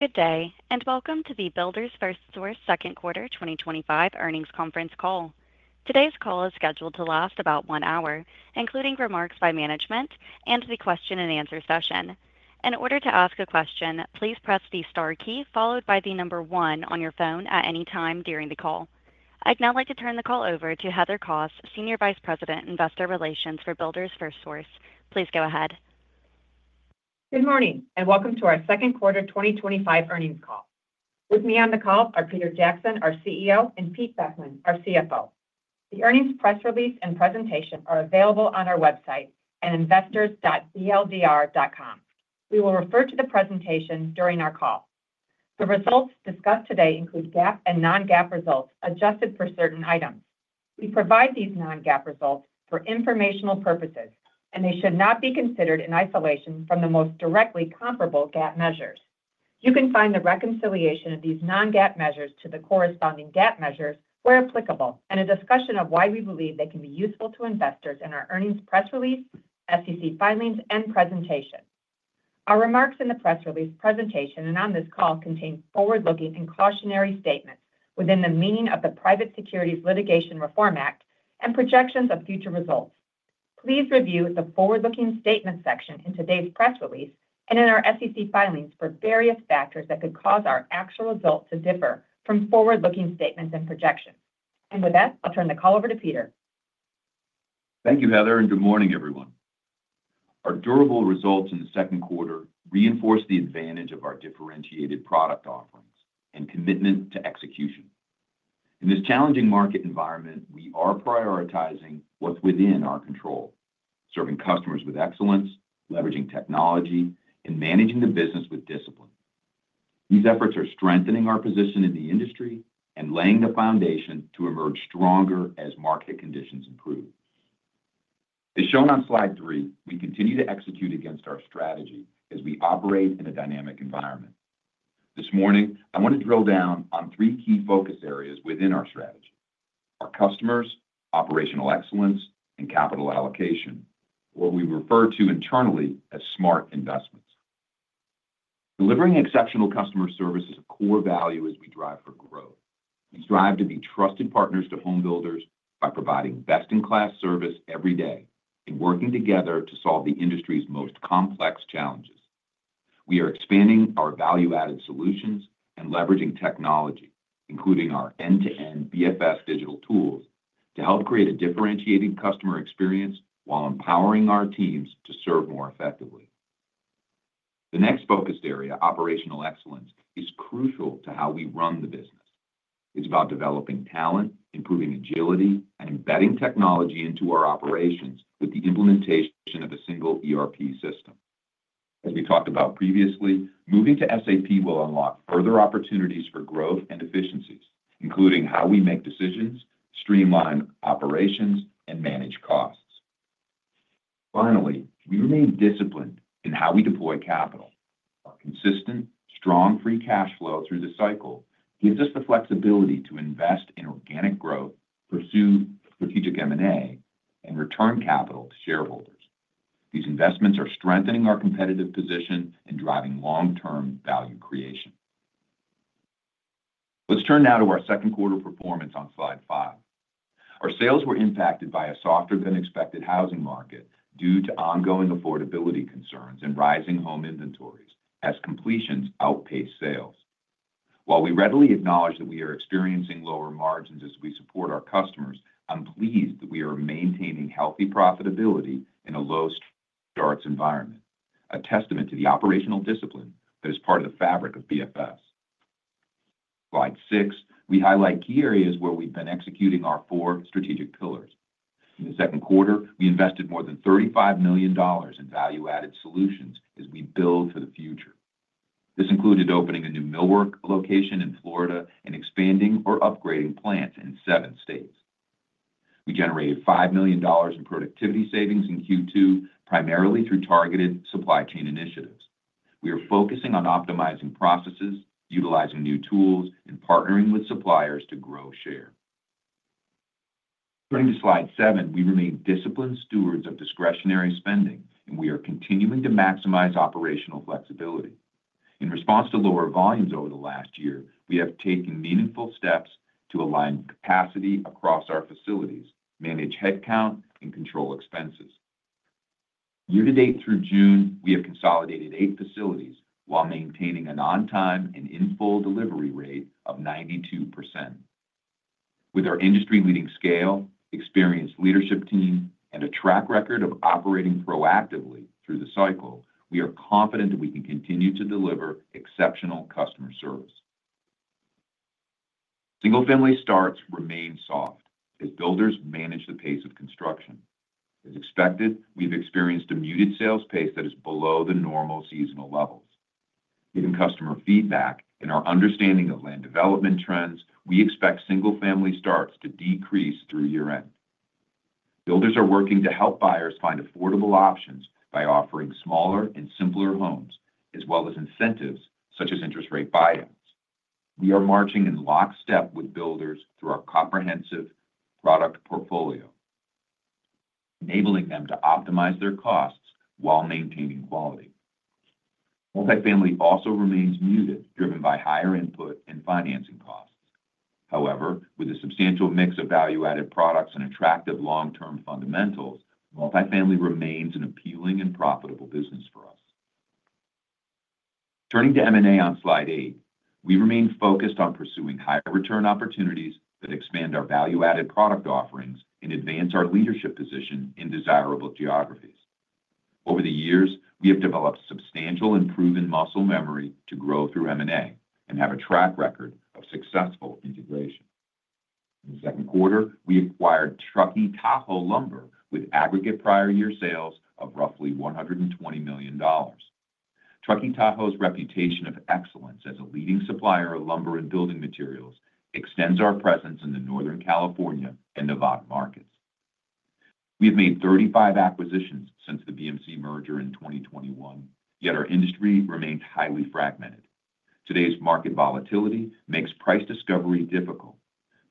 Good day, and welcome to the Builders FirstSource Second Quarter 2025 Earnings Conference Call. Today's call is scheduled to last about one hour, including remarks by management and the question-and-answer session. In order to ask a question, please press the star key followed by the number one on your phone at any time during the call. I'd now like to turn the call over to Heather Kos, Senior Vice President, Investor Relations for Builders FirstSource. Please go ahead. Good morning, and welcome to our second quarter 2025 earnings call. With me on the call are Peter Jackson, our CEO, and Pete Beckmann, our CFO. The earnings press release and presentation are available on our website at investors.bldr.com. We will refer to the presentation during our call. The results discussed today include GAAP and non-GAAP results adjusted for certain items. We provide these non-GAAP results for informational purposes, and they should not be considered in isolation from the most directly comparable GAAP measures. You can find the reconciliation of these non-GAAP measures to the corresponding GAAP measures where applicable, and a discussion of why we believe they can be useful to investors in our earnings press release, SEC filings, and presentation. Our remarks in the press release, presentation, and on this call contain forward-looking and cautionary statements within the meaning of the Private Securities Litigation Reform Act and projections of future results. Please review the forward-looking statement section in today's press release and in our SEC filings for various factors that could cause our actual result to differ from forward-looking statements and projections. With that, I'll turn the call over to Peter. Thank you, Heather, and good morning, everyone. Our durable results in the Second Quarter reinforce the advantage of our differentiated product offerings and commitment to execution. In this challenging market environment, we are prioritizing what's within our control, serving customers with excellence, leveraging technology, and managing the business with discipline. These efforts are strengthening our position in the industry and laying the foundation to emerge stronger as market conditions improve. As shown on Slide 3, we continue to execute against our strategy as we operate in a dynamic environment. This morning, I want to drill down on three key focus areas within our strategy: our customers, operational excellence, and capital allocation, what we refer to internally as Smart Investments. Delivering exceptional customer service is a core value as we drive for growth. We strive to be trusted partners to homebuilders by providing best-in-class service every day and working together to solve the industry's most complex challenges. We are expanding our value-added solutions and leveraging technology, including our end-to-end BFS digital tools, to help create a differentiated customer experience while empowering our teams to serve more effectively. The next focus area, Operational Excellence, is crucial to how we run the business. It's about developing talent, improving agility, and embedding technology into our operations with the implementation of a single ERP system. As we talked about previously, moving to SAP will unlock further opportunities for growth and efficiencies, including how we make decisions, streamline operations, and manage costs. Finally, we remain disciplined in how we deploy capital. Our consistent, strong free cash flow through the cycle gives us the flexibility to invest in organic growth, pursue strategic M&A, and return capital to shareholders. These investments are strengthening our competitive position and driving long-term value creation. Let's turn now to our Second Quarter performance on Slide 5. Our sales were impacted by a softer-than-expected housing market due to ongoing affordability concerns and rising home inventories as completions outpaced sales. While we readily acknowledge that we are experiencing lower margins as we support our customers, I'm pleased that we are maintaining healthy profitability in a low-starts environment, a testament to the operational discipline that is part of the fabric of BFS. Slide 6, we highlight key areas where we've been executing our four Strategic Pillars. In the Second Quarter, we invested more than $35 million in value-Added Solutions as we build for the future. This included opening a new millwork location in Florida and expanding or upgrading plants in seven states. We generated $5 million in productivity savings in Q2, primarily through targeted supply chain initiatives. We are focusing on optimizing processes, utilizing new tools, and partnering with suppliers to grow share. Turning to Slide 7, we remain disciplined stewards of discretionary spending, and we are continuing to maximize operational flexibility. In response to lower volumes over the last year, we have taken meaningful steps to align capacity across our facilities, manage headcount, and control expenses. Year-to-date through June, we have consolidated eight facilities while maintaining an on-time and in-full delivery rate of 92%. With our industry-leading scale, experienced leadership team, and a track record of operating proactively through the cycle, we are confident that we can continue to deliver exceptional customer service. Single-Family Starts remain soft as builders manage the pace of construction. As expected, we've experienced a muted sales pace that is below the normal seasonal levels. Given customer feedback and our understanding of land development trends, we expect Single-Family Starts to decrease through year-end. Builders are working to help buyers find affordable options by offering smaller and simpler homes, as well as incentives such as interest-rate buyouts. We are marching in lockstep with builders through our comprehensive product portfolio, enabling them to optimize their costs while maintaining quality. Multi-family also remains muted, driven by higher input and financing costs. However, with a substantial mix of Value-Added Products and attractive long-term fundamentals, multi-family remains an appealing and profitable business for us. Turning to M&A on Slide 8, we remain focused on pursuing higher return opportunities that expand our Value-Added Product offerings and advance our leadership position in desirable geographies. Over the years, we have developed substantial and proven muscle memory to grow through M&A and have a track record of successful integration. In the Second Quarter, we acquired Truckee Tahoe Lumber with aggregate prior-year sales of roughly $120 million. Truckee Tahoe Lumber's reputation of excellence as a leading supplier of lumber and building materials extends our presence in the Northern California and Nevada markets. We have made 35 acquisitions since the BMC merger in 2021, yet our industry remained highly fragmented. Today's market volatility makes price discovery difficult.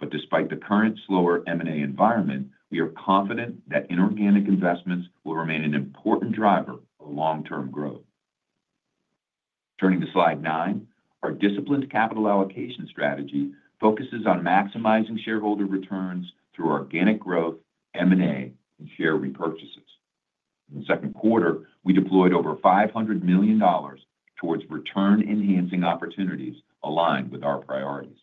Despite the current slower M&A environment, we are confident that inorganic investments will remain an important driver of long-term growth. Turning to Slide 9, our disciplined capital allocation strategy focuses on maximizing shareholder returns through organic growth, M&A, and share repurchases. In the Second Quarter, we deployed over $500 million towards return-enhancing opportunities aligned with our priorities.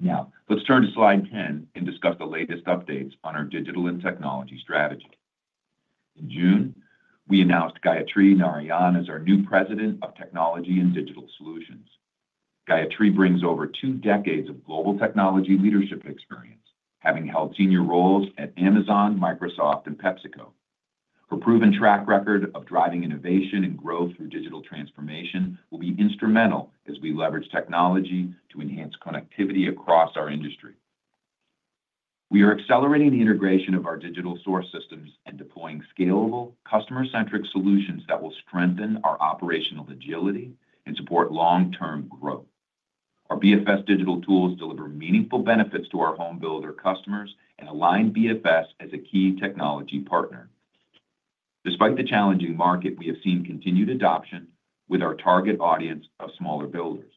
Now, let's turn to Slide 10 and discuss the latest updates on our Digital and Technology Strategy. In June, we announced Gayatri Narayan as our new President of Technology and Digital Solutions. Gayatri brings over two decades of global technology leadership experience, having held senior roles at Amazon, Microsoft, and PepsiCo. Her proven track record of driving innovation and growth through digital transformation will be instrumental as we leverage technology to enhance connectivity across our industry. We are accelerating the integration of our digital source systems and deploying scalable, customer-centric solutions that will strengthen our operational agility and support long-term growth. Our BFS digital tools deliver meaningful benefits to our homebuilder customers and align BFS as a key technology partner. Despite the challenging market, we have seen continued adoption with our target audience of smaller builders.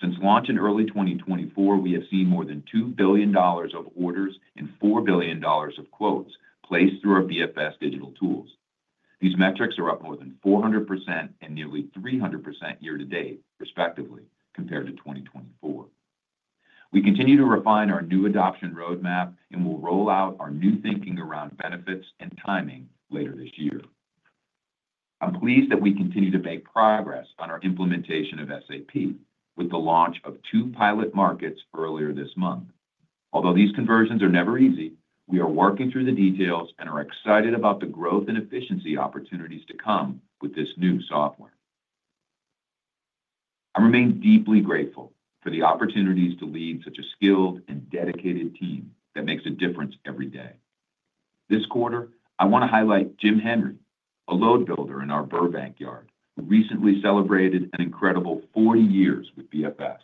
Since launch in early 2024, we have seen more than $2 billion of orders and $4 billion of quotes placed through our BFS digital tools. These metrics are up more than 400% and nearly 300% year-to-date, respectively, compared to 2024. We continue to refine our new adoption roadmap and will roll out our new thinking around benefits and timing later this year. I'm pleased that we continue to make progress on our implementation of SAP with the launch of two pilot markets earlier this month. Although these conversions are never easy, we are working through the details and are excited about the growth and efficiency opportunities to come with this new software. I remain deeply grateful for the opportunities to lead such a skilled and dedicated team that makes a difference every day. This quarter, I want to highlight Jim Henry, a load builder in our Burbank Yard, who recently celebrated an incredible 40 years with BFS.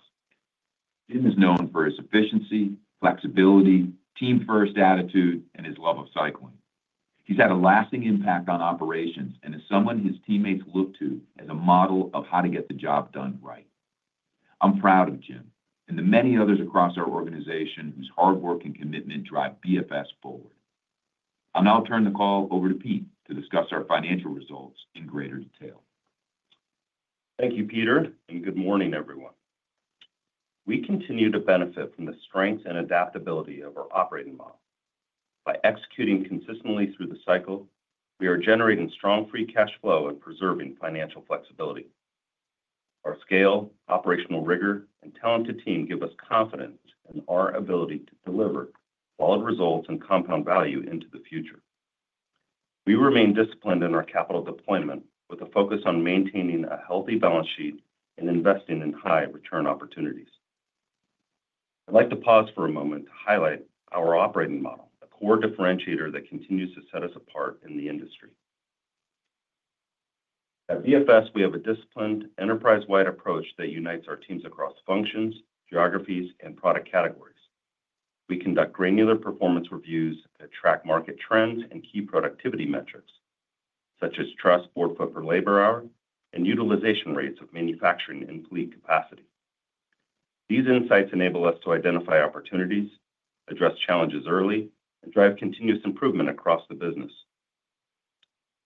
Jim is known for his efficiency, flexibility, team-first attitude, and his love of cycling. He's had a lasting impact on operations and is someone his teammates look to as a model of how to get the job done right. I'm proud of Jim and the many others across our organization whose hard work and commitment drive Builders FirstSource forward. I'll now turn the call over to Pete to discuss our financial results in greater detail. Thank you, Peter, and good morning, everyone. We continue to benefit from the strength and adaptability of our Operating Model. By executing consistently through the cycle, we are generating strong Free Cash Flow and preserving financial flexibility. Our scale, Operational Rigor, and talented team give us confidence in our ability to deliver solid results and compound value into the future. We remain disciplined in our capital deployment with a focus on maintaining a healthy balance sheet and investing in high return opportunities. I'd like to pause for a moment to highlight our Operating Model, a core differentiator that continues to set us apart in the industry. At BFS, we have a disciplined, enterprise-wide approach that unites our teams across functions, geographies, and product categories. We conduct granular performance reviews that track market trends and key productivity metrics, such as truss, forefoot per labor hour, and utilization rates of manufacturing and fleet capacity. These insights enable us to identify opportunities, address challenges early, and drive continuous improvement across the business.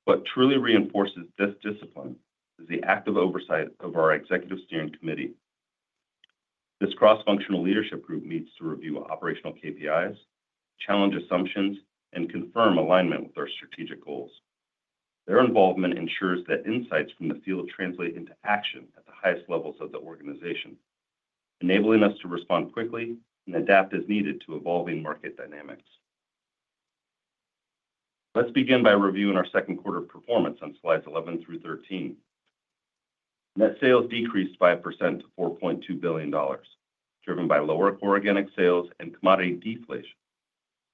What truly reinforces this discipline is the active oversight of our Executive Steering Committee. This cross-functional leadership group needs to review operational KPIs, challenge assumptions, and confirm alignment with our strategic goals. Their involvement ensures that insights from the field translate into action at the highest levels of the organization, enabling us to respond quickly and adapt as needed to evolving market dynamics. Let's begin by reviewing our Second Quarter performance on Slides 11 through 13. Net sales decreased 5% to $4.2 billion, driven by lower organic sales and commodity deflation,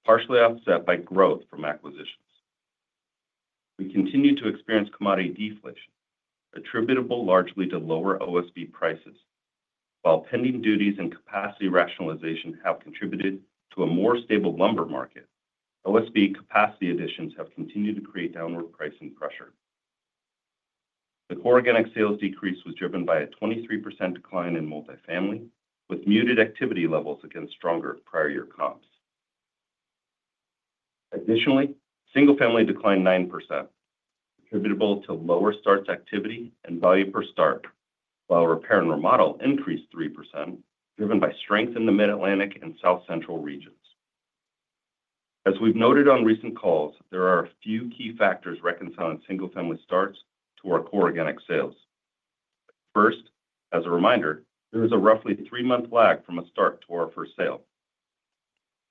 partially offset by growth from acquisitions. We continue to experience commodity deflation, attributable largely to lower OSB prices. While pending duties and capacity rationalization have contributed to a more stable lumber market, OSB capacity additions have continued to create downward pricing pressure. The core organic sales decrease was driven by a 23% decline in Multi-family, with muted activity levels against stronger prior-year comps. Additionally, Single-Family declined 9%, attributable to lower starts activity and value per start, while Repair and Remodel increased 3%, driven by strength in the Mid-Atlantic and South Central regions. As we've noted on recent calls, there are a few key factors reconciling Single-Family Starts to our core organic sales. First, as a reminder, there is a roughly three-month lag from a start to our first sale.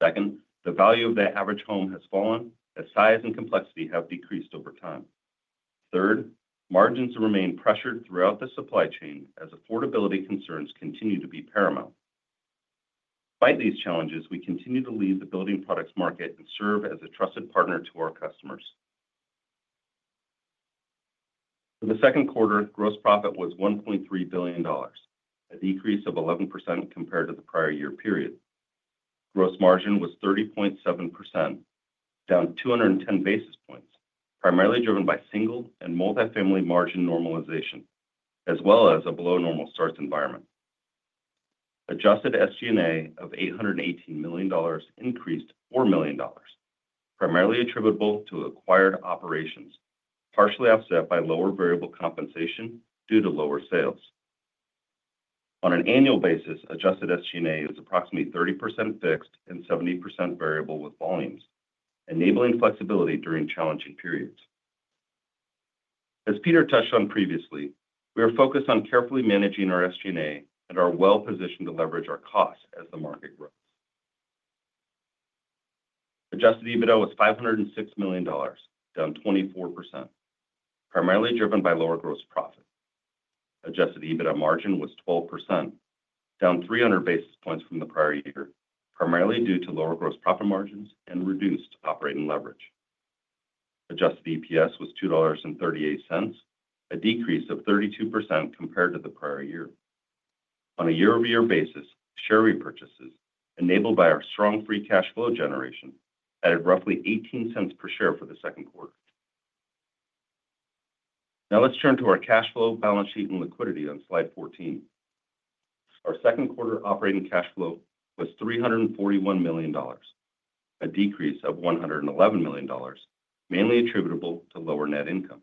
Second, the value of the average home has fallen as size and complexity have decreased over time. Third, margins remain pressured throughout the supply chain as affordability concerns continue to be paramount. Despite these challenges, we continue to lead the building products market and serve as a trusted partner to our customers. For the second quarter, gross profit was $1.3 billion, a decrease of 11% compared to the prior-year period. Gross margin was 30.7%, down 210 basis points, primarily driven by single and multi-family margin normalization, as well as a below-normal starts environment. Adjusted SG&A of $818 million increased $4 million, primarily attributable to acquired operations, partially offset by lower variable compensation due to lower sales. On an annual basis, adjusted SG&A is approximately 30% fixed and 70% variable with volumes, enabling flexibility during challenging periods. As Peter touched on previously, we are focused on carefully managing our SG&A and are well-positioned to leverage our costs as the market grows. Adjusted EBITDA was $506 million, down 24%, primarily driven by lower gross profit. Adjusted EBITDA margin was 12%, down 300 basis points from the prior year, primarily due to lower gross profit margins and reduced operating leverage. Adjusted EPS was $2.38, a decrease of 32% compared to the prior year. On a year-over-year basis, share repurchases, enabled by our strong free cash flow generation, added roughly $0.18 per share for the second quarter. Now let's turn to our cash flow, balance sheet, and liquidity on Slide 14. Our second quarter operating cash flow was $341 million, a decrease of $111 million, mainly attributable to lower net income.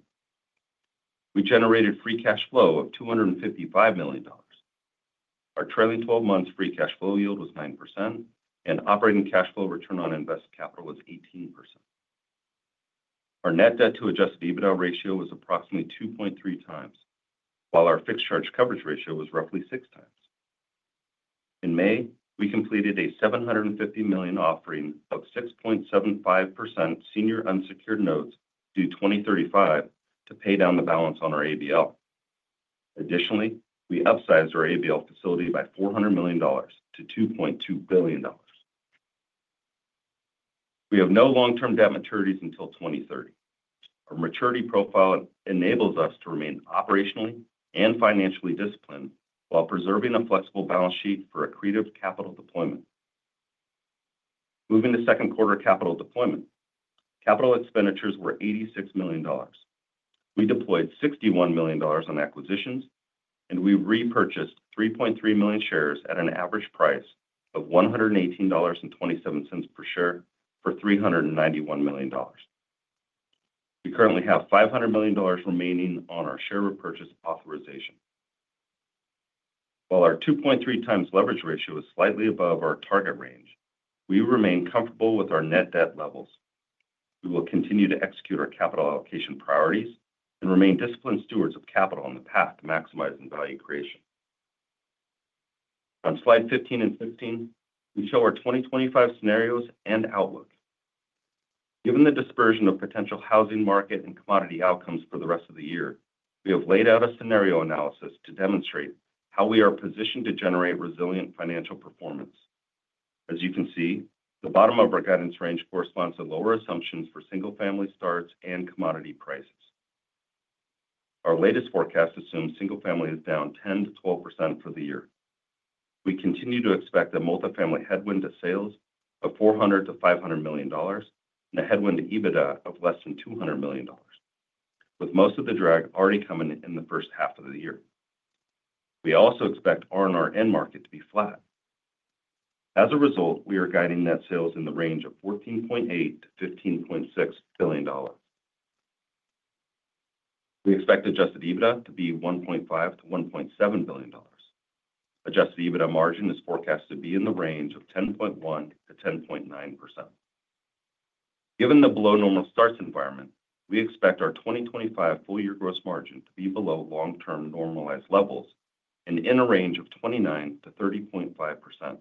We generated free cash flow of $255 million. Our trailing 12-month free cash flow yield was 9%, and operating cash flow return on invested capital was 18%. Our net debt-to-adjusted EBITDA ratio was approximately 2.3 times, while our fixed charge coverage ratio was roughly 6 times. In May, we completed a $750 million offering of 6.75% senior unsecured notes due 2035 to pay down the balance on our ABL. Additionally, we upsized our ABL facility by $400 million to $2.2 billion. We have no long-term debt maturities until 2030. Our maturity profile enables us to remain operationally and financially disciplined while preserving a flexible balance sheet for accretive capital deployment. Moving to second quarter capital deployment, capital expenditures were $86 million. We deployed $61 million on acquisitions, and we repurchased 3.3 million shares at an average price of $118.27 per share for $391 million. We currently have $500 million remaining on our share repurchase authorization. While our 2.3 times leverage ratio is slightly above our target range, we remain comfortable with our net debt levels. We will continue to execute our capital allocation priorities and remain disciplined stewards of capital on the path to maximizing value creation. On Slide 15 and 16, we show our 2025 scenarios and outlook. Given the dispersion of potential housing market and commodity outcomes for the rest of the year, we have laid out a scenario analysis to demonstrate how we are positioned to generate resilient financial performance. As you can see, the bottom of our guidance range corresponds to lower assumptions for Single-Family Starts and commodity prices. Our latest forecast assumes Single-Family is down 10% to 12% for the year. We continue to expect a multi-family headwind to sales of $400 million to $500 million, and a headwind to EBITDA of less than $200 million, with most of the drag already coming in the first half of the year. We also expect R&R end market to be flat. As a result, we are guiding net sales in the range of $14.8 billion to $15.6 billion. We expect Adjusted EBITDA to be $1.5 billion to $1.7 billion. Adjusted EBITDA margin is forecast to be in the range of 10.1% to 10.9%. Given the below-normal starts environment, we expect our 2025 full-year gross margin to be below long-term normalized levels and in a range of 29% to 30.5%.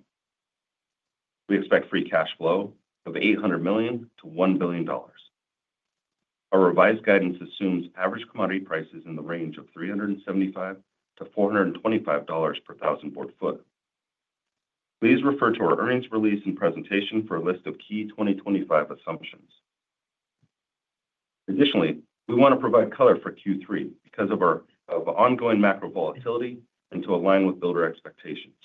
We expect free cash flow of $800 million to $1 billion. Our revised guidance assumes average commodity prices in the range of $375 to $425 per thousand board foot. Please refer to our earnings release and presentation for a list of key 2025 assumptions. Additionally, we want to provide color for Q3 because of our ongoing macro volatility and to align with builder expectations.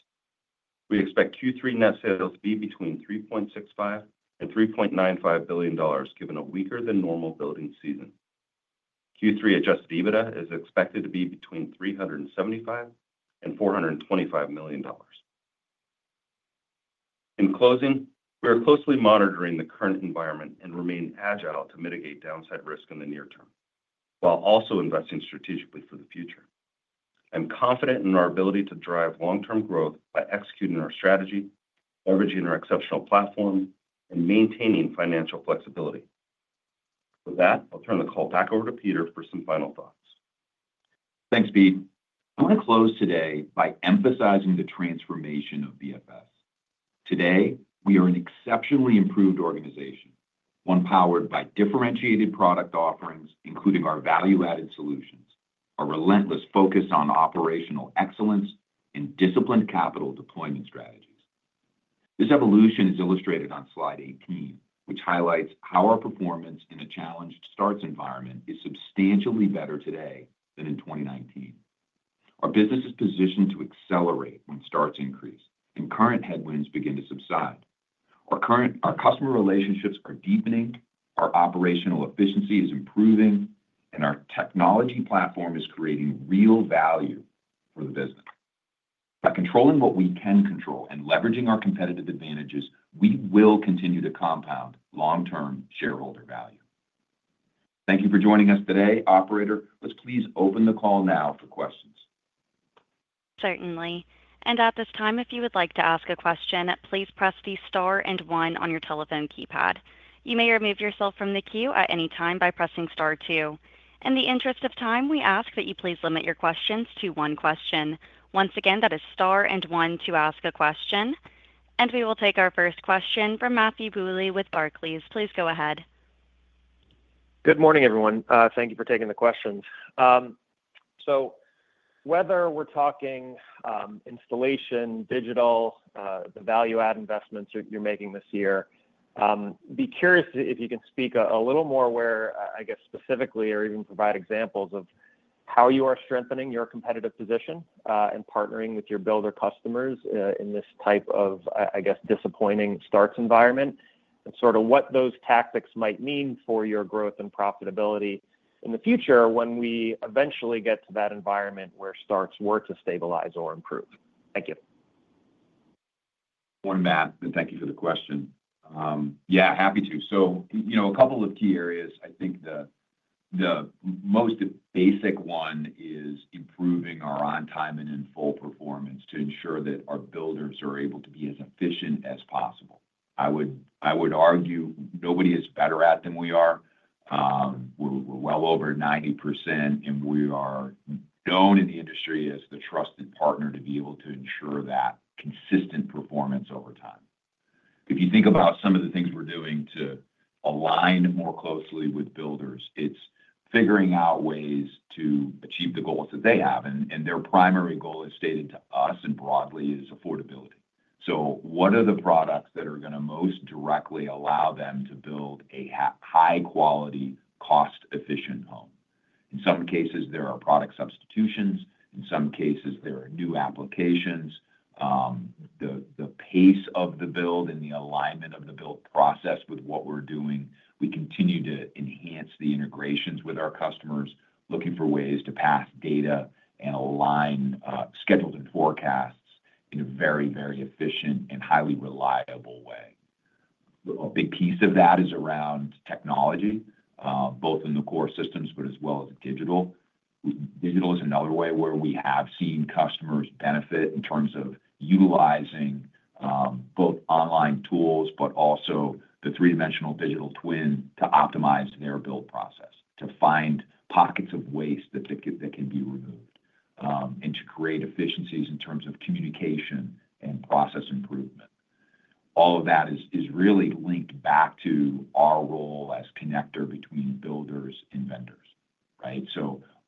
We expect Q3 net sales to be between $3.65 billion and $3.95 billion given a weaker-than-normal building season. Q3 Adjusted EBITDA is expected to be between $375 million and $425 million. In closing, we are closely monitoring the current environment and remain agile to mitigate downside risk in the near term, while also investing strategically for the future. I'm confident in our ability to drive long-term growth by executing our strategy, leveraging our exceptional platform, and maintaining financial flexibility. With that, I'll turn the call back over to Peter for some final thoughts. Thanks, Pete. I want to close today by emphasizing the transformation of BFS. Today, we are an exceptionally improved organization, one powered by differentiated product offerings, including our value-added solutions, our relentless focus on operational excellence, and disciplined capital deployment strategies. This evolution is illustrated on slide 18, which highlights how our performance in a challenged starts environment is substantially better today than in 2019. Our business is positioned to accelerate when starts increase and current headwinds begin to subside. Our customer relationships are deepening, our operational efficiency is improving, and our technology platform is creating real value for the business. By controlling what we can control and leveraging our competitive advantages, we will continue to compound long-term shareholder value. Thank you for joining us today, operator. Let's please open the call now for questions. Certainly. At this time, if you would like to ask a question, please press the star and one on your telephone keypad. You may remove yourself from the queue at any time by pressing star two. In the interest of time, we ask that you please limit your questions to one question. Once again, that is star and one to ask a question. We will take our first question from Matthew Bouley with Barclays. Please go ahead. Good morning, everyone. Thank you for taking the questions. Whether we're talking installation, digital, the value-add investments you're making this year, I'd be curious if you can speak a little more where, I guess, specifically or even provide examples of how you are strengthening your competitive position and partnering with your builder customers in this type of, I guess, disappointing starts environment, and sort of what those tactics might mean for your growth and profitability in the future when we eventually get to that environment where starts were to stabilize or improve. Thank you. Morning, Matt. Thank you for the question. Yeah, happy to. So a couple of key areas. I think the most basic one is improving our on-time and in-full performance to ensure that our builders are able to be as efficient as possible. I would argue nobody is better at it than we are. We're well over 90%, and we are known in the industry as the trusted partner to be able to ensure that consistent performance over time. If you think about some of the things we're doing to align more closely with builders, it's figuring out ways to achieve the goals that they have. Their primary goal, as stated to us and broadly, is affordability. What are the products that are going to most directly allow them to build a high-quality, cost-efficient home? In some cases, there are product substitutions. In some cases, there are new applications. The pace of the build and the alignment of the build process with what we're doing, we continue to enhance the integrations with our customers, looking for ways to pass data and align schedules and forecasts in a very, very efficient and highly reliable way. A big piece of that is around technology, both in the core systems, but as well as digital. Digital is another way where we have seen customers benefit in terms of utilizing both online tools, but also the three-dimensional digital twin to optimize their build process, to find pockets of waste that can be removed, and to create efficiencies in terms of communication and process improvement. All of that is really linked back to our role as connector between builders and vendors, right?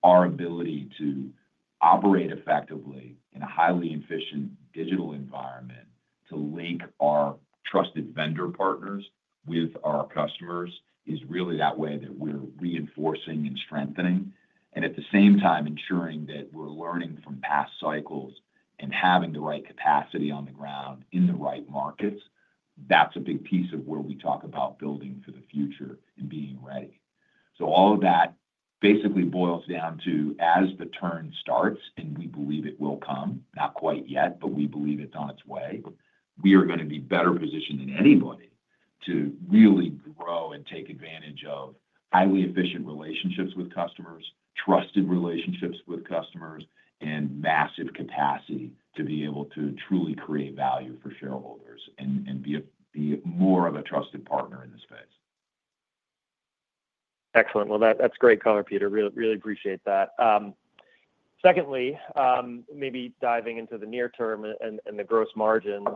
Our ability to operate effectively in a highly efficient digital environment, to link our trusted vendor partners with our customers, is really that way that we're reinforcing and strengthening. At the same time, ensuring that we're learning from past cycles and having the right capacity on the ground in the right markets, that's a big piece of where we talk about building for the future and being ready. All of that basically boils down to, as the turn starts, and we believe it will come, not quite yet, but we believe it's on its way, we are going to be better positioned than anybody to really grow and take advantage of highly efficient relationships with customers, trusted relationships with customers, and massive capacity to be able to truly create value for shareholders and be more of a trusted partner in this space. Excellent. That's great color, Peter. Really appreciate that. Secondly, maybe diving into the near term and the gross margins.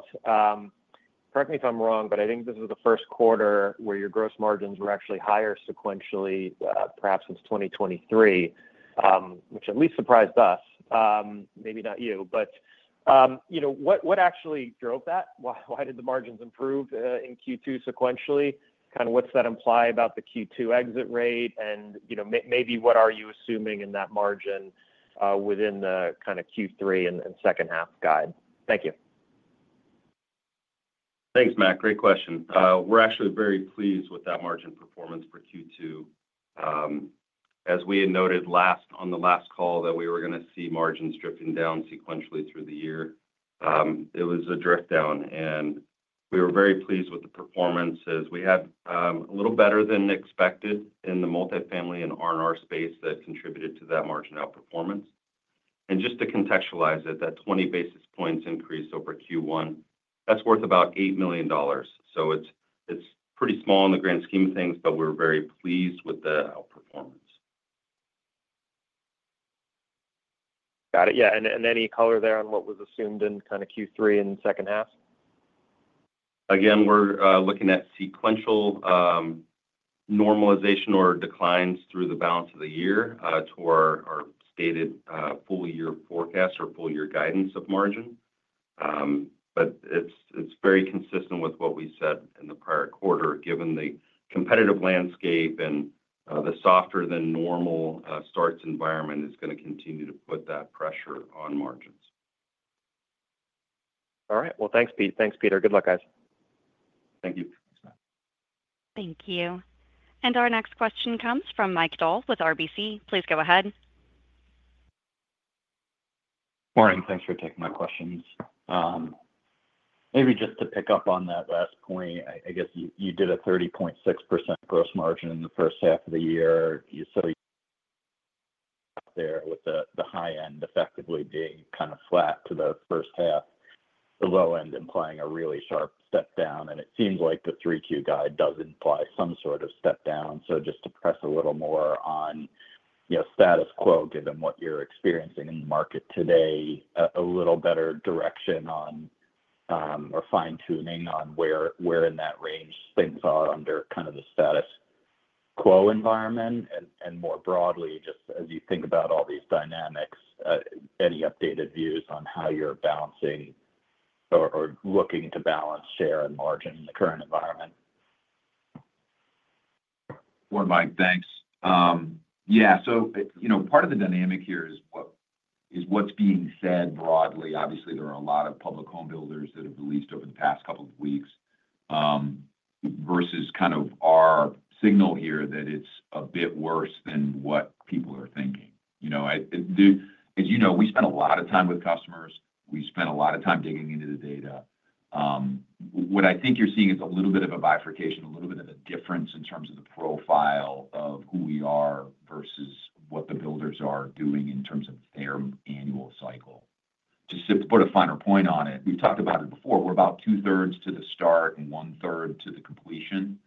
Correct me if I'm wrong, but I think this was the first quarter where your gross margins were actually higher sequentially, perhaps since 2023, which at least surprised us, maybe not you. What actually drove that? Why did the margins improve in Q2 sequentially? What does that imply about the Q2 exit rate? Maybe what are you assuming in that margin within the Q3 and second-half guide? Thank you. Thanks, Matt. Great question. We're actually very pleased with that margin performance for Q2. As we had noted on the last call, we were going to see margins drifting down sequentially through the year. It was a drift down, and we were very pleased with the performance. We had a little better than expected in the multi-family and R&R space that contributed to that margin outperformance. Just to contextualize it, that 20 basis points increase over Q1 is worth about $8 million. It's pretty small in the grand scheme of things, but we're very pleased with the outperformance. Got it. Yeah, any color there on what was assumed in kind of Q3 and second half? Again, we're looking at sequential normalization or declines through the balance of the year to our stated full-year forecast or full-year guidance of margin. It is very consistent with what we said in the prior quarter, given the competitive landscape and the softer-than-normal starts environment is going to continue to put that pressure on margins. All right. Thanks, Pete. Thanks, Peter. Good luck, guys. Thank you. Thank you. Our next question comes from Michael Dahl with RBC. Please go ahead. Morning. Thanks for taking my questions. Maybe just to pick up on that last point, I guess you did a 30.6% gross margin in the first half of the year. There, with the high end effectively being kind of flat to the first half, the low end implying a really sharp step down. It seems like the Q3 guide does imply some sort of step down. Just to press a little more on status quo, given what you're experiencing in the market today, a little better direction on or fine-tuning on where in that range things are under kind of the status quo environment. More broadly, just as you think about all these dynamics, any updated views on how you're balancing or looking to balance share and margin in the current environment? Morning, Mike. Thanks. Part of the dynamic here is what's being said broadly. Obviously, there are a lot of public home builders that have released over the past couple of weeks versus kind of our signal here that it's a bit worse than what people are thinking. As you know, we spent a lot of time with customers. We spent a lot of time digging into the data. What I think you're seeing is a little bit of a bifurcation, a little bit of a difference in terms of the profile of who we are versus what the builders are doing in terms of their annual cycle. Just to put a finer point on it, we've talked about it before. We're about two-thirds to the start and one-third to the completion.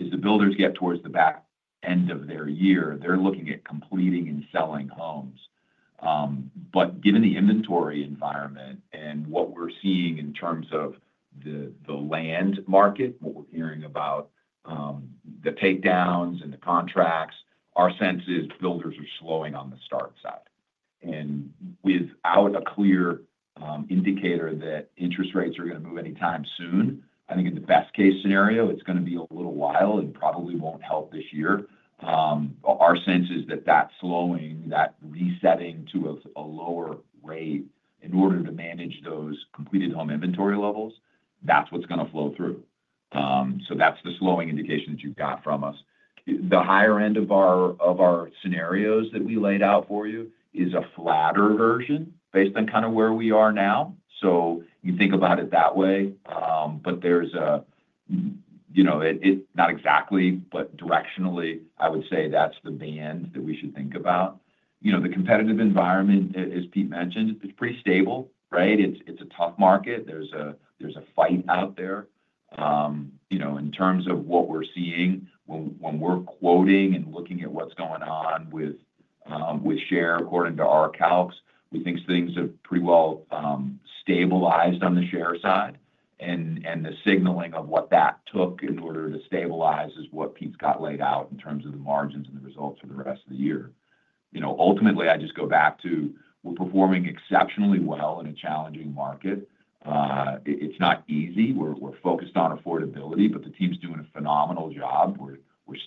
As the builders get towards the back end of their year, they're looking at completing and selling homes. Given the inventory environment and what we're seeing in terms of the land market, what we're hearing about the takedowns and the contracts, our sense is builders are slowing on the start side. Without a clear indicator that interest rates are going to move anytime soon, I think in the best-case scenario, it's going to be a little while and probably won't help this year. Our sense is that slowing, that resetting to a lower rate in order to manage those completed home inventory levels, that's what's going to flow through. That's the slowing indication that you've got from us. The higher end of our scenarios that we laid out for you is a flatter version based on kind of where we are now. You think about it that way. Not exactly, but directionally, I would say that's the band that we should think about. The competitive environment, as Pete mentioned, is pretty stable, right? It's a tough market. There's a fight out there. In terms of what we're seeing, when we're quoting and looking at what's going on with share according to our calcs, we think things have pretty well stabilized on the share side. The signaling of what that took in order to stabilize is what Pete's got laid out in terms of the margins and the results for the rest of the year. Ultimately, I just go back to we're performing exceptionally well in a challenging market. It's not easy. We're focused on affordability, but the team's doing a phenomenal job. We're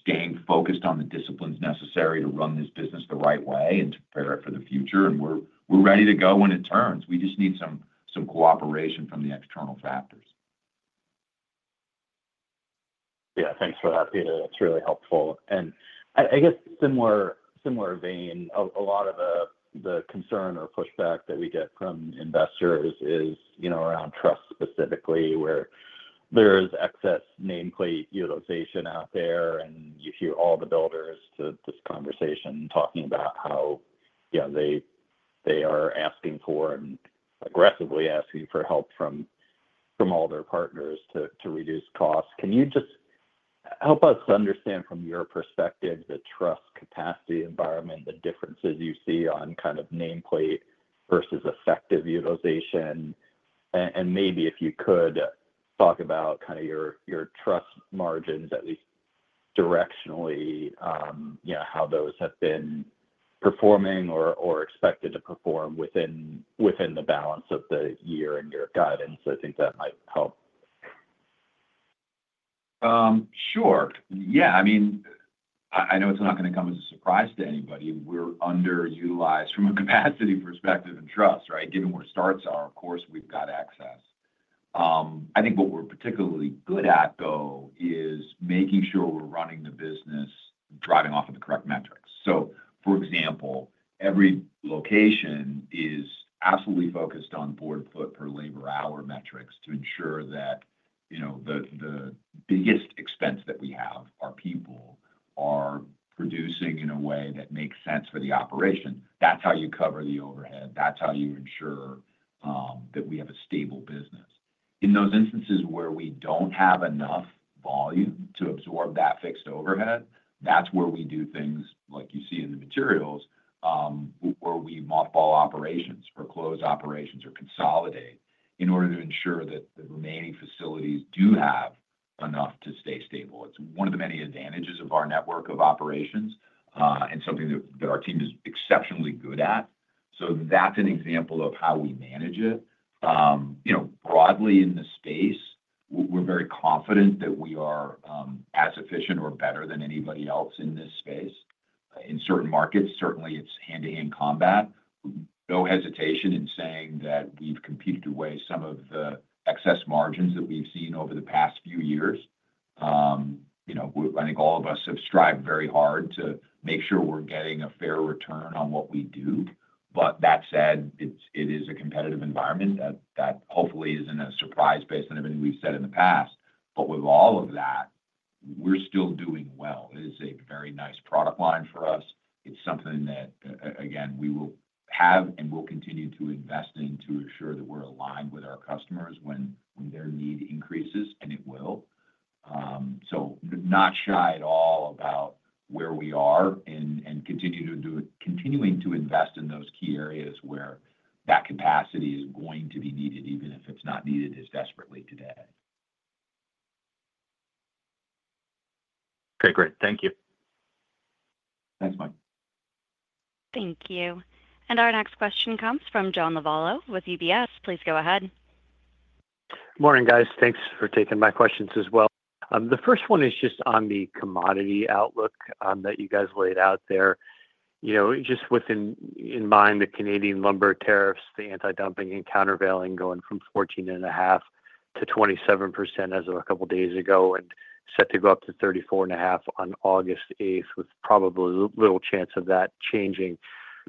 staying focused on the disciplines necessary to run this business the right way and to prepare it for the future. We're ready to go when it turns. We just need some cooperation from the external factors. Yeah. Thanks for that, Peter. That's really helpful. I guess similar vein, a lot of the concern or pushback that we get from investors is around truss specifically, where there is excess nameplate utilization out there, and you hear all the builders to this conversation talking about how they are asking for and aggressively asking for help from all their partners to reduce costs. Can you just help us understand from your perspective the truss capacity environment, the differences you see on kind of nameplate versus effective utilization? Maybe if you could talk about kind of your truss margins, at least directionally, how those have been performing or expected to perform within the balance of the year and your guidance, I think that might help. Sure. Yeah. I mean, I know it's not going to come as a surprise to anybody. We're underutilized from a capacity perspective in truss, right? Given where starts are, of course, we've got access. I think what we're particularly good at, though, is making sure we're running the business, driving off of the correct metrics. For example, every location is absolutely focused on board foot per labor hour metrics to ensure that the biggest expense that we have, our people, are producing in a way that makes sense for the operation. That's how you cover the overhead. That's how you ensure that we have a stable business. In those instances where we don't have enough volume to absorb that fixed overhead, that's where we do things like you see in the materials, where we mothball operations or close operations or consolidate in order to ensure that the remaining facilities do have enough to stay stable. It's one of the many advantages of our network of operations and something that our team is exceptionally good at. That's an example of how we manage it. Broadly in the space, we're very confident that we are as efficient or better than anybody else in this space. In certain markets, certainly it's hand-to-hand combat. No hesitation in saying that we've competed away some of the excess margins that we've seen over the past few years. I think all of us have strived very hard to make sure we're getting a fair return on what we do. That said, it is a competitive environment that hopefully isn't a surprise based on everything we've said in the past. With all of that, we're still doing well. It is a very nice product line for us. It's something that, again, we will have and will continue to invest in to ensure that we're aligned with our customers when their need increases, and it will. Not shy at all about where we are and continuing to invest in those key areas where that capacity is going to be needed, even if it's not needed as desperately today. Okay. Great. Thank you. Thanks, Mike. Thank you. Our next question comes from John Lovallo with UBS. Please go ahead. Morning, guys. Thanks for taking my questions as well. The first one is just on the commodity outlook that you guys laid out there. With the Canadian lumber tariffs, the anti-dumping and countervailing going from 14.5% to 27% as of a couple of days ago and set to go up to 34.5% on August 8 with probably little chance of that changing,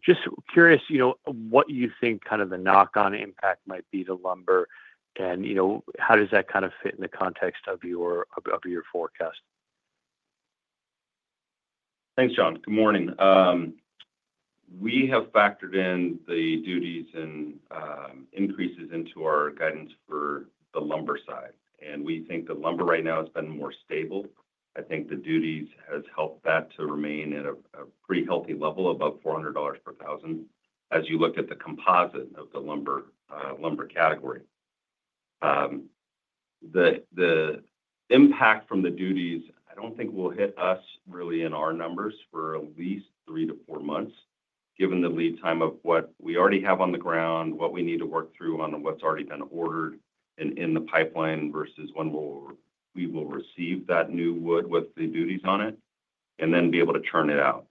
just curious what you think kind of the knock-on impact might be to lumber and how does that kind of fit in the context of your forecast? Thanks, John. Good morning. We have factored in the duties and increases into our guidance for the lumber side. We think the lumber right now has been more stable. I think the duties have helped that to remain at a pretty healthy level above $400 per thousand as you look at the composite of the lumber category. The impact from the duties, I don't think will hit us really in our numbers for at least three to four months, given the lead time of what we already have on the ground, what we need to work through on what's already been ordered and in the pipeline versus when we will receive that new wood with the duties on it, and then be able to churn it out.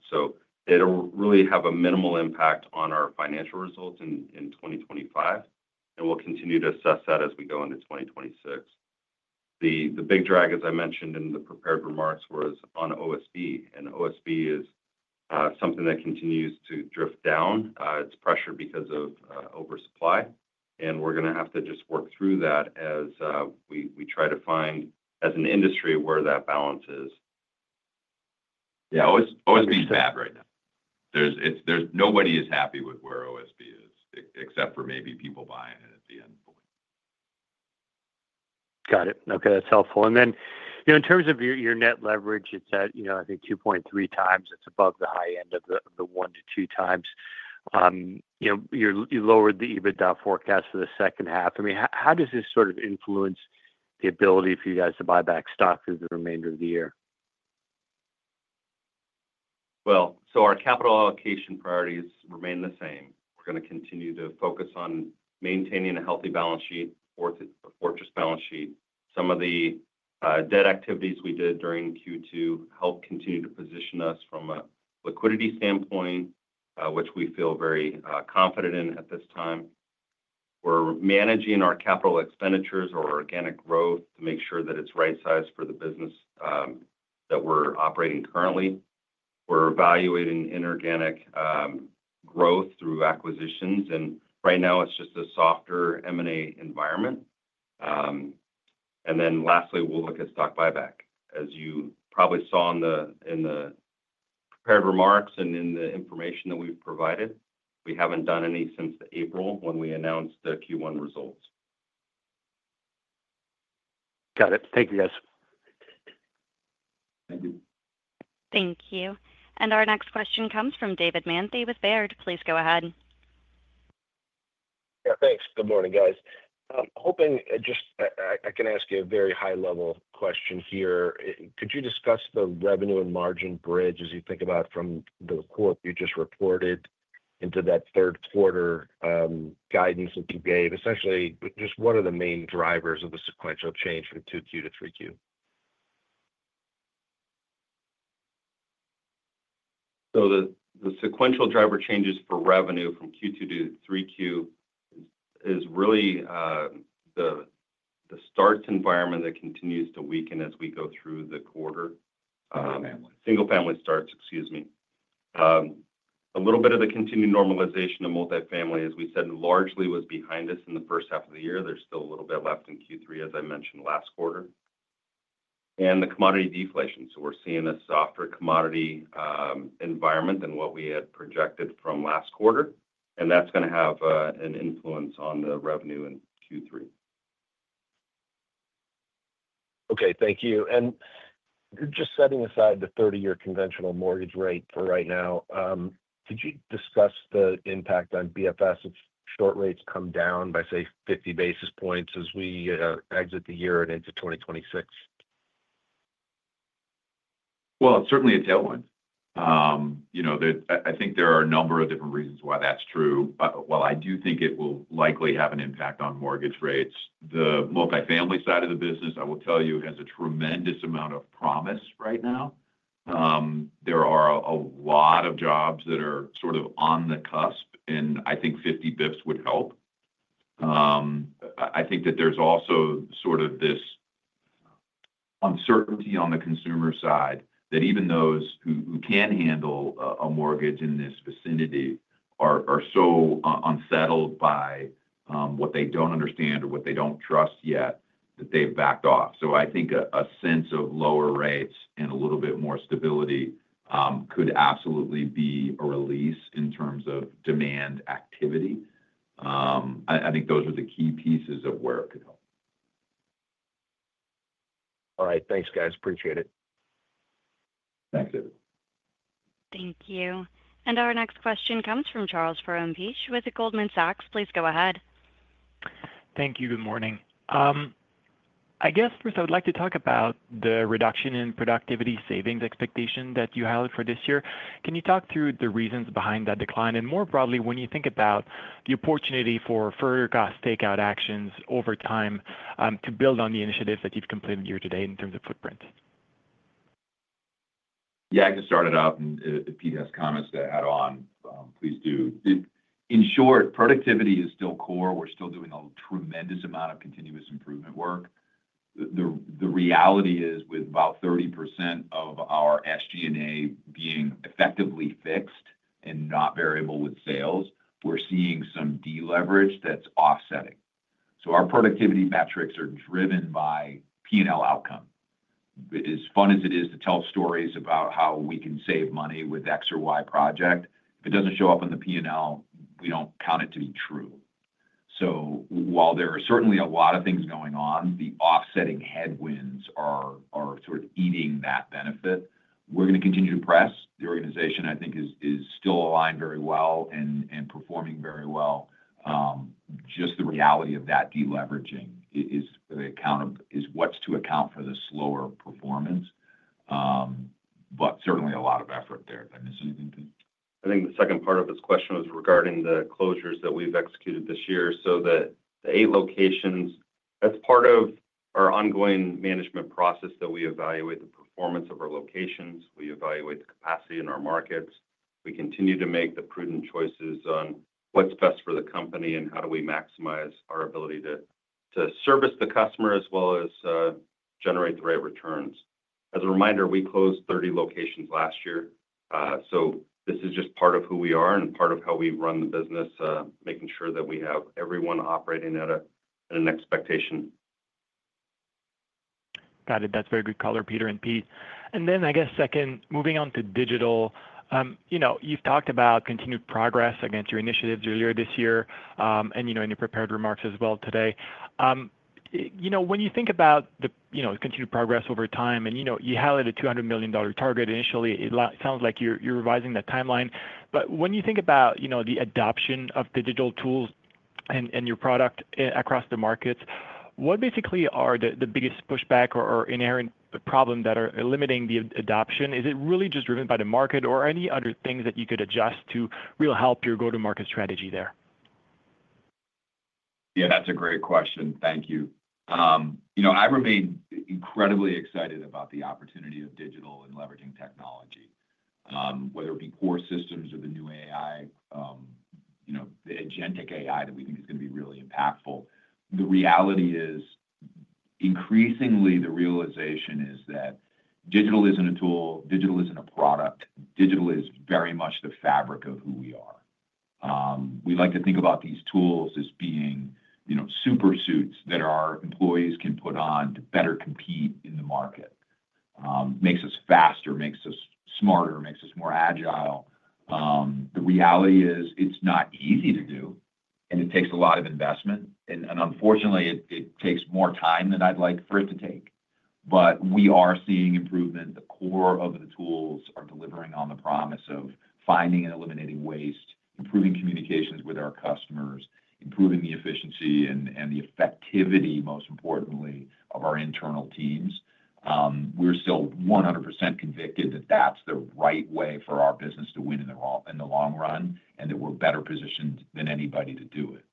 It will really have a minimal impact on our financial results in 2025. We'll continue to assess that as we go into 2026. The big drag, as I mentioned in the prepared remarks, was on OSB. OSB is something that continues to drift down. It's pressured because of oversupply. We're going to have to just work through that as we try to find as an industry where that balance is. Yeah. OSB is bad right now. Nobody is happy with where OSB is, except for maybe people buying it at the end point. Got it. Okay. That's helpful. In terms of your net leverage, it's at, I think, 2.3 times. It's above the high end of the one to two times. You lowered the EBITDA forecast for the second half. How does this sort of influence the ability for you guys to buy back stock through the remainder of the year? Our capital allocation priorities remain the same. We're going to continue to focus on maintaining a healthy, fortress balance sheet. Some of the debt activities we did during Q2 helped continue to position us from a liquidity standpoint, which we feel very confident in at this time. We're managing our capital expenditures for organic growth to make sure that it's right-sized for the business that we're operating currently. We're evaluating inorganic growth through acquisitions. Right now, it's just a softer M&A environment. Lastly, we'll look at stock buyback. As you probably saw in the prepared remarks and in the information that we've provided, we haven't done any since April when we announced the Q1 results. Got it. Thank you, guys. Thank you. Thank you. Our next question comes from David Manthey with Baird. Please go ahead. Yeah. Thanks. Good morning, guys. I can ask you a very high-level question here. Could you discuss the revenue and margin bridge as you think about from the report you just reported into that third quarter guidance that you gave? Essentially, just what are the main drivers of the sequential change from Q2 to Q3? The sequential driver changes for revenue from Q2 to Q3 is really the starts environment that continues to weaken as we go through the quarter. Single-Family Starts, excuse me, a little bit of the continued normalization of multi-family, as we said, largely was behind us in the first half of the year. There's still a little bit left in Q3, as I mentioned last quarter. The commodity deflation, so we're seeing a softer commodity environment than what we had projected from last quarter, and that's going to have an influence on the revenue in Q3. Okay. Thank you. Just setting aside the 30-year conventional mortgage rate for right now, could you discuss the impact on BFS if short rates come down by, say, 50 basis points as we exit the year and into 2026? It is certainly a tailwind. I think there are a number of different reasons why that's true. While I do think it will likely have an impact on mortgage rates, the multi-family side of the business, I will tell you, has a tremendous amount of promise right now. There are a lot of jobs that are sort of on the cusp, and I think 50 bps would help. I think that there's also sort of this uncertainty on the consumer side that even those who can handle a mortgage in this vicinity are so unsettled by what they don't understand or what they don't trust yet that they've backed off. I think a sense of lower rates and a little bit more stability could absolutely be a release in terms of demand activity. I think those are the key pieces of where it could help. All right. Thanks, guys. Appreciate it. Thanks, David. Thank you. Our next question comes from Charles Perron-Piché with Goldman Sachs. Please go ahead. Thank you. Good morning. I guess, first, I would like to talk about the reduction in productivity savings expectation that you held for this year. Can you talk through the reasons behind that decline? More broadly, when you think about the opportunity for further cost takeout actions over time to build on the initiatives that you've completed year to date in terms of footprint? Yeah. I can start it off. If Pete has comments to add on, please do. In short, productivity is still core. We're still doing a tremendous amount of continuous improvement work. The reality is, with about 30% of our SG&A being effectively fixed and not variable with sales, we're seeing some deleverage that's offsetting. Our productivity metrics are driven by P&L outcome. As fun as it is to tell stories about how we can save money with X or Y project, if it doesn't show up on the P&L, we don't count it to be true. While there are certainly a lot of things going on, the offsetting headwinds are sort of eating that benefit. We're going to continue to press. The organization, I think, is still aligned very well and performing very well. The reality of that deleveraging is what's to account for the slower performance. Certainly a lot of effort there. I think the second part of this question was regarding the closures that we've executed this year. The eight locations, as part of our ongoing management process, that we evaluate the performance of our locations. We evaluate the capacity in our markets. We continue to make the prudent choices on what's best for the company and how do we maximize our ability to service the customer as well as generate the right returns. As a reminder, we closed 30 locations last year. This is just part of who we are and part of how we run the business, making sure that we have everyone operating at an expectation. Got it. That's very good color, Peter and Pete. I guess, second, moving on to digital. You've talked about continued progress against your initiatives earlier this year and in your prepared remarks as well today. When you think about the continued progress over time, and you highlighted a $200 million target initially, it sounds like you're revising that timeline. When you think about the adoption of digital tools and your product across the markets, what basically are the biggest pushback or inherent problems that are limiting the adoption? Is it really just driven by the market or any other things that you could adjust to really help your go-to-market strategy there? Yeah. That's a great question. Thank you. I remain incredibly excited about the opportunity of digital and leveraging technology, whether it be core systems or the new AI. The agentic AI that we think is going to be really impactful. The reality is, increasingly, the realization is that digital isn't a tool. Digital isn't a product. Digital is very much the fabric of who we are. We like to think about these tools as being super suits that our employees can put on to better compete in the market. Makes us faster, makes us smarter, makes us more agile. The reality is it's not easy to do, and it takes a lot of investment. Unfortunately, it takes more time than I'd like for it to take. We are seeing improvement. The core of the tools are delivering on the promise of finding and eliminating waste, improving communications with our customers, improving the efficiency and the effectivity, most importantly, of our internal teams. We're still 100% convicted that that's the right way for our business to win in the long run and that we're better positioned than anybody to do it.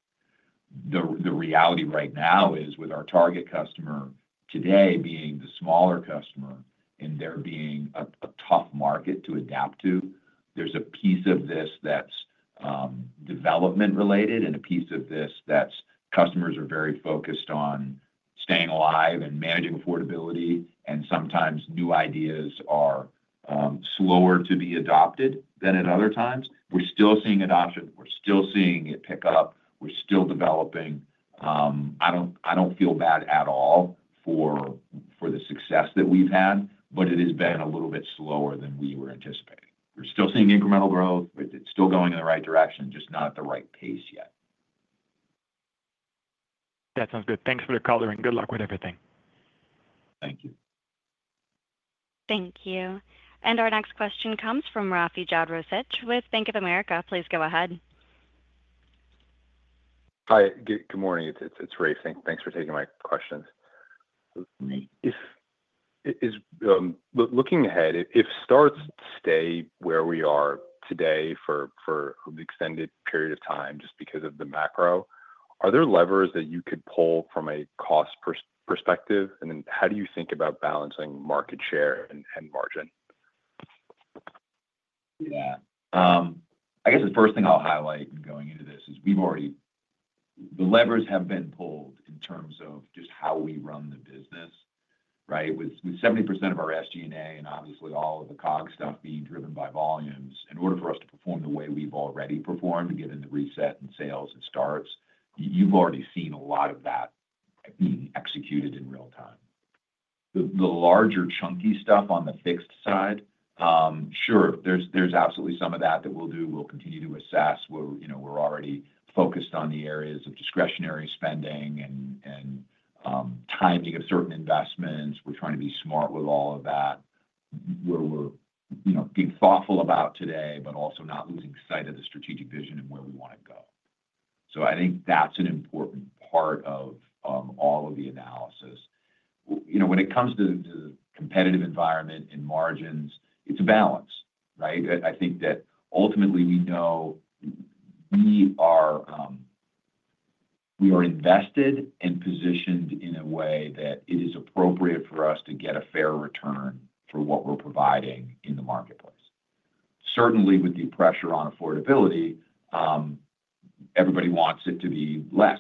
The reality right now is, with our target customer today being the smaller customer and there being a tough market to adapt to, there's a piece of this that's development-related and a piece of this that customers are very focused on. Staying alive and managing affordability. Sometimes new ideas are slower to be adopted than at other times. We're still seeing adoption. We're still seeing it pick up. We're still developing. I don't feel bad at all for the success that we've had, but it has been a little bit slower than we were anticipating. We're still seeing incremental growth. It's still going in the right direction, just not at the right pace yet. That sounds good. Thanks for the color, and good luck with everything. Thank you. Thank you. Our next question comes from Rafe Jadrosich with Bank of America. Please go ahead. Hi. Good morning. It's Rafe. Thanks for taking my questions. Looking ahead, if starts stay where we are today for the extended period of time just because of the macro, are there levers that you could pull from a cost perspective? How do you think about balancing market share and margin? I guess the first thing I'll highlight in going into this is we've already. The levers have been pulled in terms of just how we run the business, right? With 70% of our SG&A and obviously all of the COG stuff being driven by volumes, in order for us to perform the way we've already performed, given the reset in sales and starts, you've already seen a lot of that being executed in real time. The larger chunky stuff on the fixed side, sure, there's absolutely some of that that we'll do. We'll continue to assess. We're already focused on the areas of discretionary spending and timing of certain investments. We're trying to be smart with all of that. We're being thoughtful about today, but also not losing sight of the strategic vision and where we want to go. I think that's an important part of all of the analysis. When it comes to the competitive environment and margins, it's a balance, right? I think that ultimately we know we are invested and positioned in a way that it is appropriate for us to get a fair return for what we're providing in the marketplace. Certainly, with the pressure on affordability, everybody wants it to be less.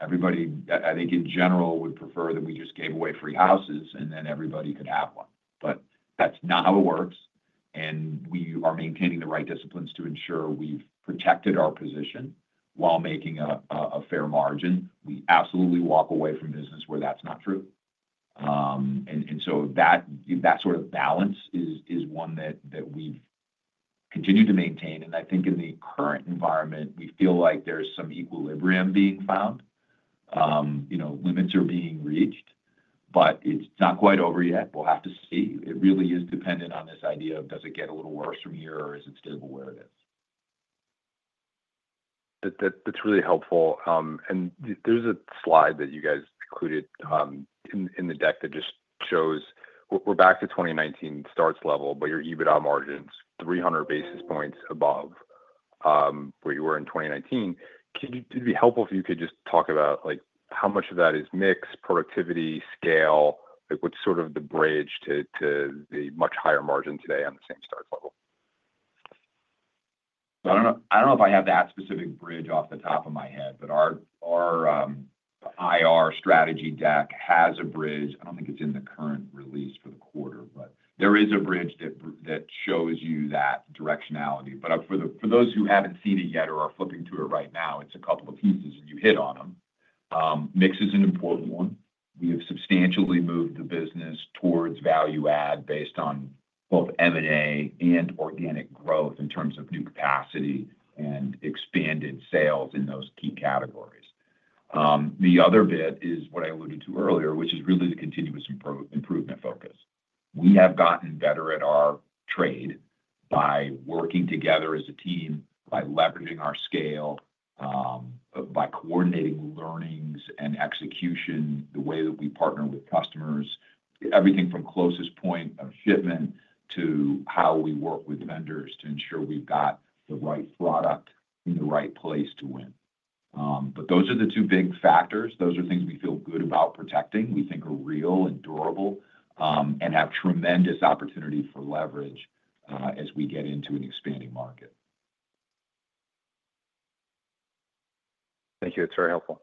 Everybody, I think, in general, would prefer that we just gave away free houses and then everybody could have one. That's not how it works. We are maintaining the right disciplines to ensure we've protected our position while making a fair margin. We absolutely walk away from business where that's not true, and that sort of balance is one that we've continued to maintain. I think in the current environment, we feel like there's some equilibrium being found. Limits are being reached, but it's not quite over yet. We'll have to see. It really is dependent on this idea of, does it get a little worse from here or is it stable where it is? That's really helpful. There's a slide that you guys included in the deck that just shows we're back to 2019 starts level, but your EBITDA margin's 300 basis points above where you were in 2019. It'd be helpful if you could just talk about how much of that is mix, productivity, scale, what's sort of the bridge to the much higher margin today on the same starts level? I don't know if I have that specific bridge off the top of my head, but our IR strategy deck has a bridge. I don't think it's in the current release for the quarter, but there is a bridge that shows you that directionality. For those who haven't seen it yet or are flipping to it right now, it's a couple of pieces and you hit on them. Mix is an important one. We have substantially moved the business towards value add based on both M&A and organic growth in terms of new capacity and expanded sales in those key categories. The other bit is what I alluded to earlier, which is really the continuous improvement focus. We have gotten better at our trade by working together as a team, by leveraging our scale, by coordinating learnings and execution, the way that we partner with customers, everything from closest point of shipment to how we work with vendors to ensure we've got the right product in the right place to win. Those are the two big factors. Those are things we feel good about protecting. We think are real and durable and have tremendous opportunity for leverage as we get into an expanding market. Thank you. It's very helpful.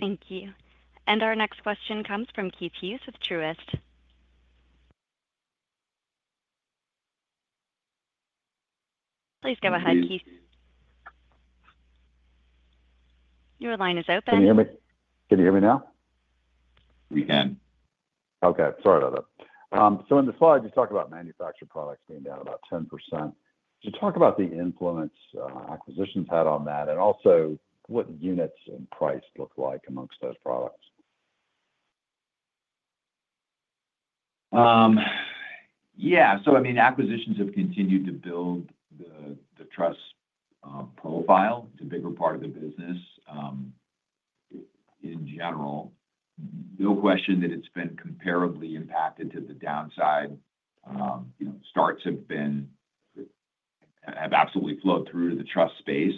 Thank you. Our next question comes from Keith Hughes with Truist. Please go ahead, Keith. Your line is open. Can you hear me? Can you hear me now? We can. Sorry about that. In the slide, you talk about manufactured products being down about 10%. Could you talk about the influence acquisitions had on that, and also what units and price look like amongst those products? Yeah. Acquisitions have continued to build the truss profile to a bigger part of the business. In general, no question that it's been comparably impacted to the downside. Starts have absolutely flowed through to the truss space.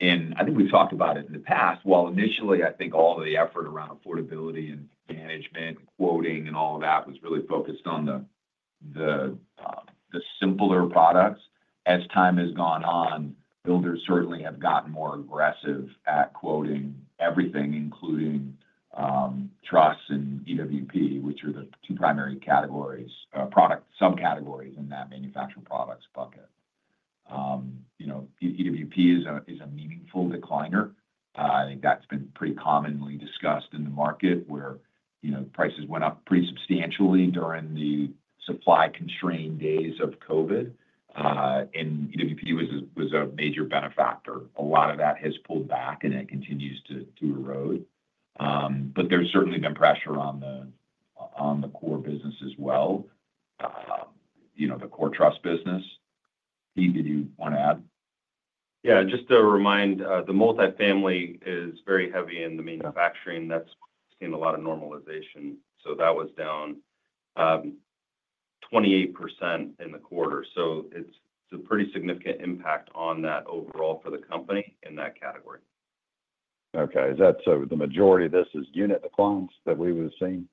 I think we've talked about it in the past. While initially, I think all of the effort around affordability and management, quoting, and all of that was really focused on the simpler products, as time has gone on, builders certainly have gotten more aggressive at quoting everything, including trusses and EWP, which are the two primary subcategories in that manufacturing products bucket. EWP is a meaningful decliner. I think that's been pretty commonly discussed in the market where prices went up pretty substantially during the supply-constrained days of COVID. EWP was a major benefactor. A lot of that has pulled back, and it continues to erode. There's certainly been pressure on the core business as well, the core truss business. Pete, did you want to add? Yeah. Just to remind, the multi-family is very heavy in the manufacturing. That's seen a lot of normalization. That was down 28% in the quarter. It's a pretty significant impact on that overall for the company in that category. Okay. The majority of this is unit declines that we were seeing?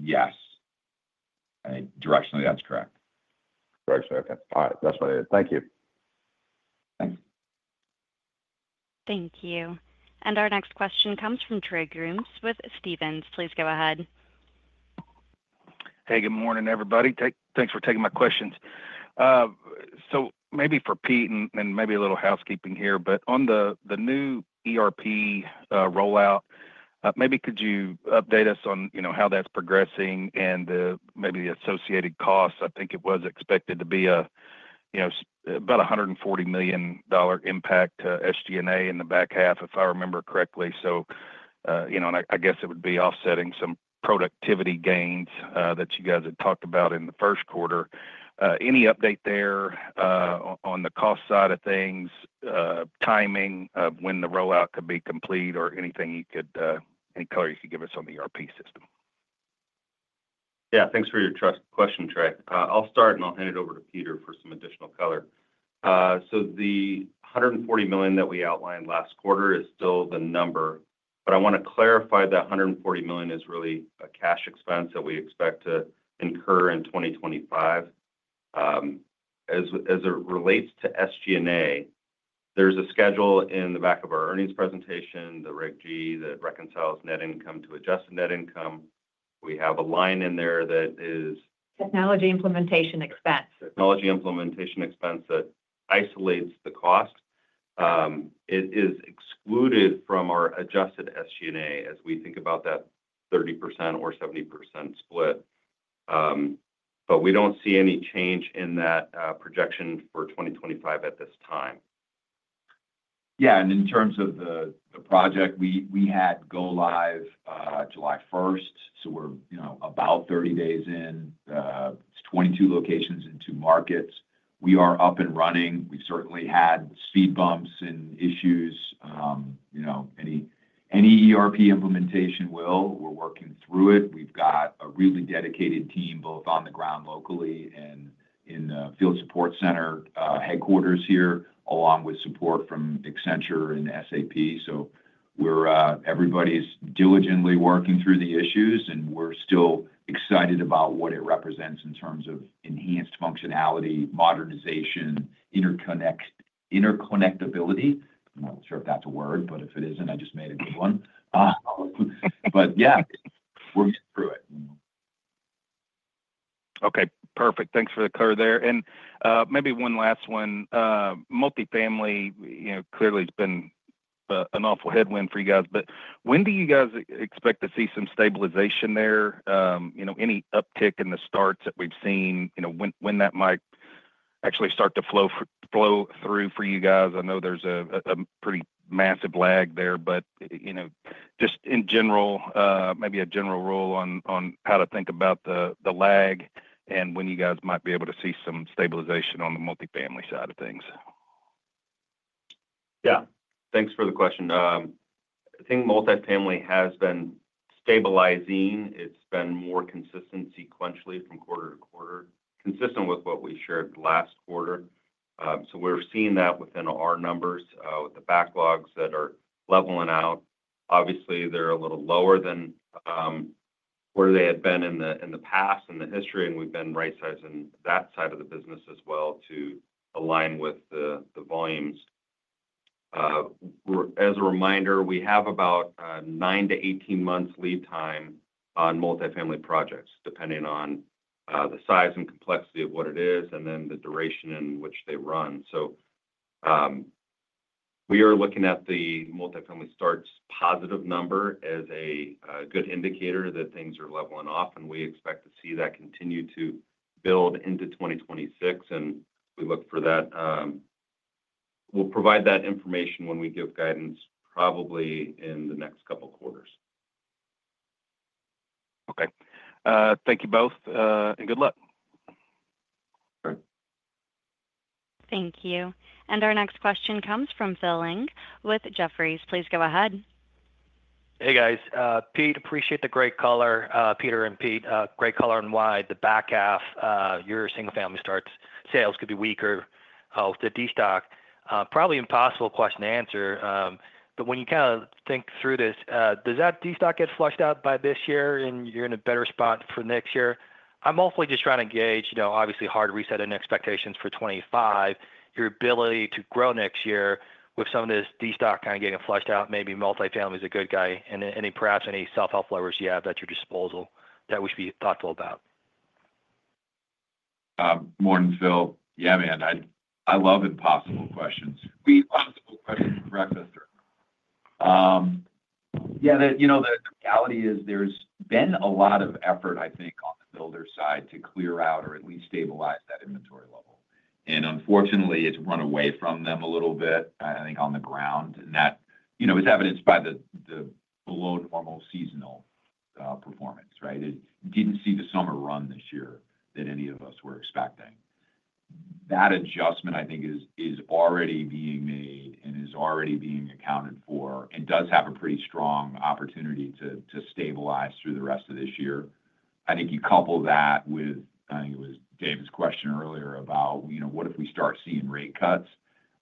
Yes, I think directionally that's correct. Directionally, okay. All right, that's what I heard. Thank you. Thanks. Thank you. Our next question comes from Trey Grooms with Stephens. Please go ahead. Hey, good morning, everybody. Thanks for taking my questions. Maybe for Pete and maybe a little housekeeping here, on the new ERP rollout, could you update us on how that's progressing and the associated costs? I think it was expected to be about a $140 million impact to SG&A in the back half, if I remember correctly. I guess it would be offsetting some productivity gains that you guys had talked about in the first quarter. Any update there on the cost side of things, timing of when the rollout could be complete, or anything you could, any color you could give us on the ERP system? Yeah. Thanks for your question, Trey. I'll start, and I'll hand it over to Peter for some additional color. The $140 million that we outlined last quarter is still the number. I want to clarify that $140 million is really a cash expense that we expect to incur in 2025. As it relates to SG&A, there's a schedule in the back of our earnings presentation, the Reg G, that reconciles net income to adjusted net income. We have a line in there that is. Technology implementation expense. Technology implementation expense that isolates the cost. It is excluded from our adjusted SG&A as we think about that 30% or 70% split. We don't see any change in that projection for 2025 at this time. In terms of the project, we had go-live July 1st. We're about 30 days in. It's 22 locations in two markets. We are up and running. We've certainly had speed bumps and issues. Any ERP implementation will. We're working through it. We've got a really dedicated team both on the ground locally and in the field support center headquarters here, along with support from Accenture and SAP. Everybody's diligently working through the issues, and we're still excited about what it represents in terms of enhanced functionality, modernization, interconnectability. I'm not sure if that's a word, but if it isn't, I just made a good one. We're getting through it. Okay. Perfect. Thanks for the color there. Maybe one last one. Multi-family clearly has been an awful headwind for you guys. When do you guys expect to see some stabilization there? Any uptick in the starts that we've seen, when that might actually start to flow through for you guys? I know there's a pretty massive lag there. Just in general, maybe a general rule on how to think about the lag and when you guys might be able to see some stabilization on the multi-family side of things. Yeah. Thanks for the question. I think multi-family has been stabilizing. It's been more consistent sequentially from quarter to quarter, consistent with what we shared last quarter. We're seeing that within our numbers with the backlogs that are leveling out. Obviously, they're a little lower than where they had been in the past and the history, and we've been right-sizing that side of the business as well to align with the volumes. As a reminder, we have about 9 to 18 months lead time on multi-family projects, depending on the size and complexity of what it is and the duration in which they run. We are looking at the multi-family starts positive number as a good indicator that things are leveling off, and we expect to see that continue to build into 2026. We look for that. We'll provide that information when we give guidance, probably in the next couple of quarters. Okay. Thank you both, and good luck. All right. Thank you. Our next question comes from Phil Ng with Jefferies. Please go ahead. Hey, guys. Pete, appreciate the great color, Peter and Pete. Great color on why the back half, your Single-Family Starts sales could be weaker with the destock. Probably impossible question to answer, but when you kind of think through this, does that destock get flushed out by this year, and you're in a better spot for next year? I'm hopefully just trying to gauge, obviously, hard resetting expectations for 2025, your ability to grow next year with some of this destock kind of getting flushed out. Maybe multi-family is a good guy, and perhaps any self-help levers you have at your disposal that we should be thoughtful about. Morning, Phil. Yeah, man. I love impossible questions. We eat impossible questions for breakfast. The reality is there's been a lot of effort, I think, on the builder side to clear out or at least stabilize that inventory level. Unfortunately, it's run away from them a little bit, I think, on the ground. That was evidenced by the below-normal seasonal performance, right? Didn't see the summer run this year that any of us were expecting. That adjustment, I think, is already being made and is already being accounted for and does have a pretty strong opportunity to stabilize through the rest of this year. I think you couple that with, I think it was David's question earlier about, what if we start seeing rate cuts?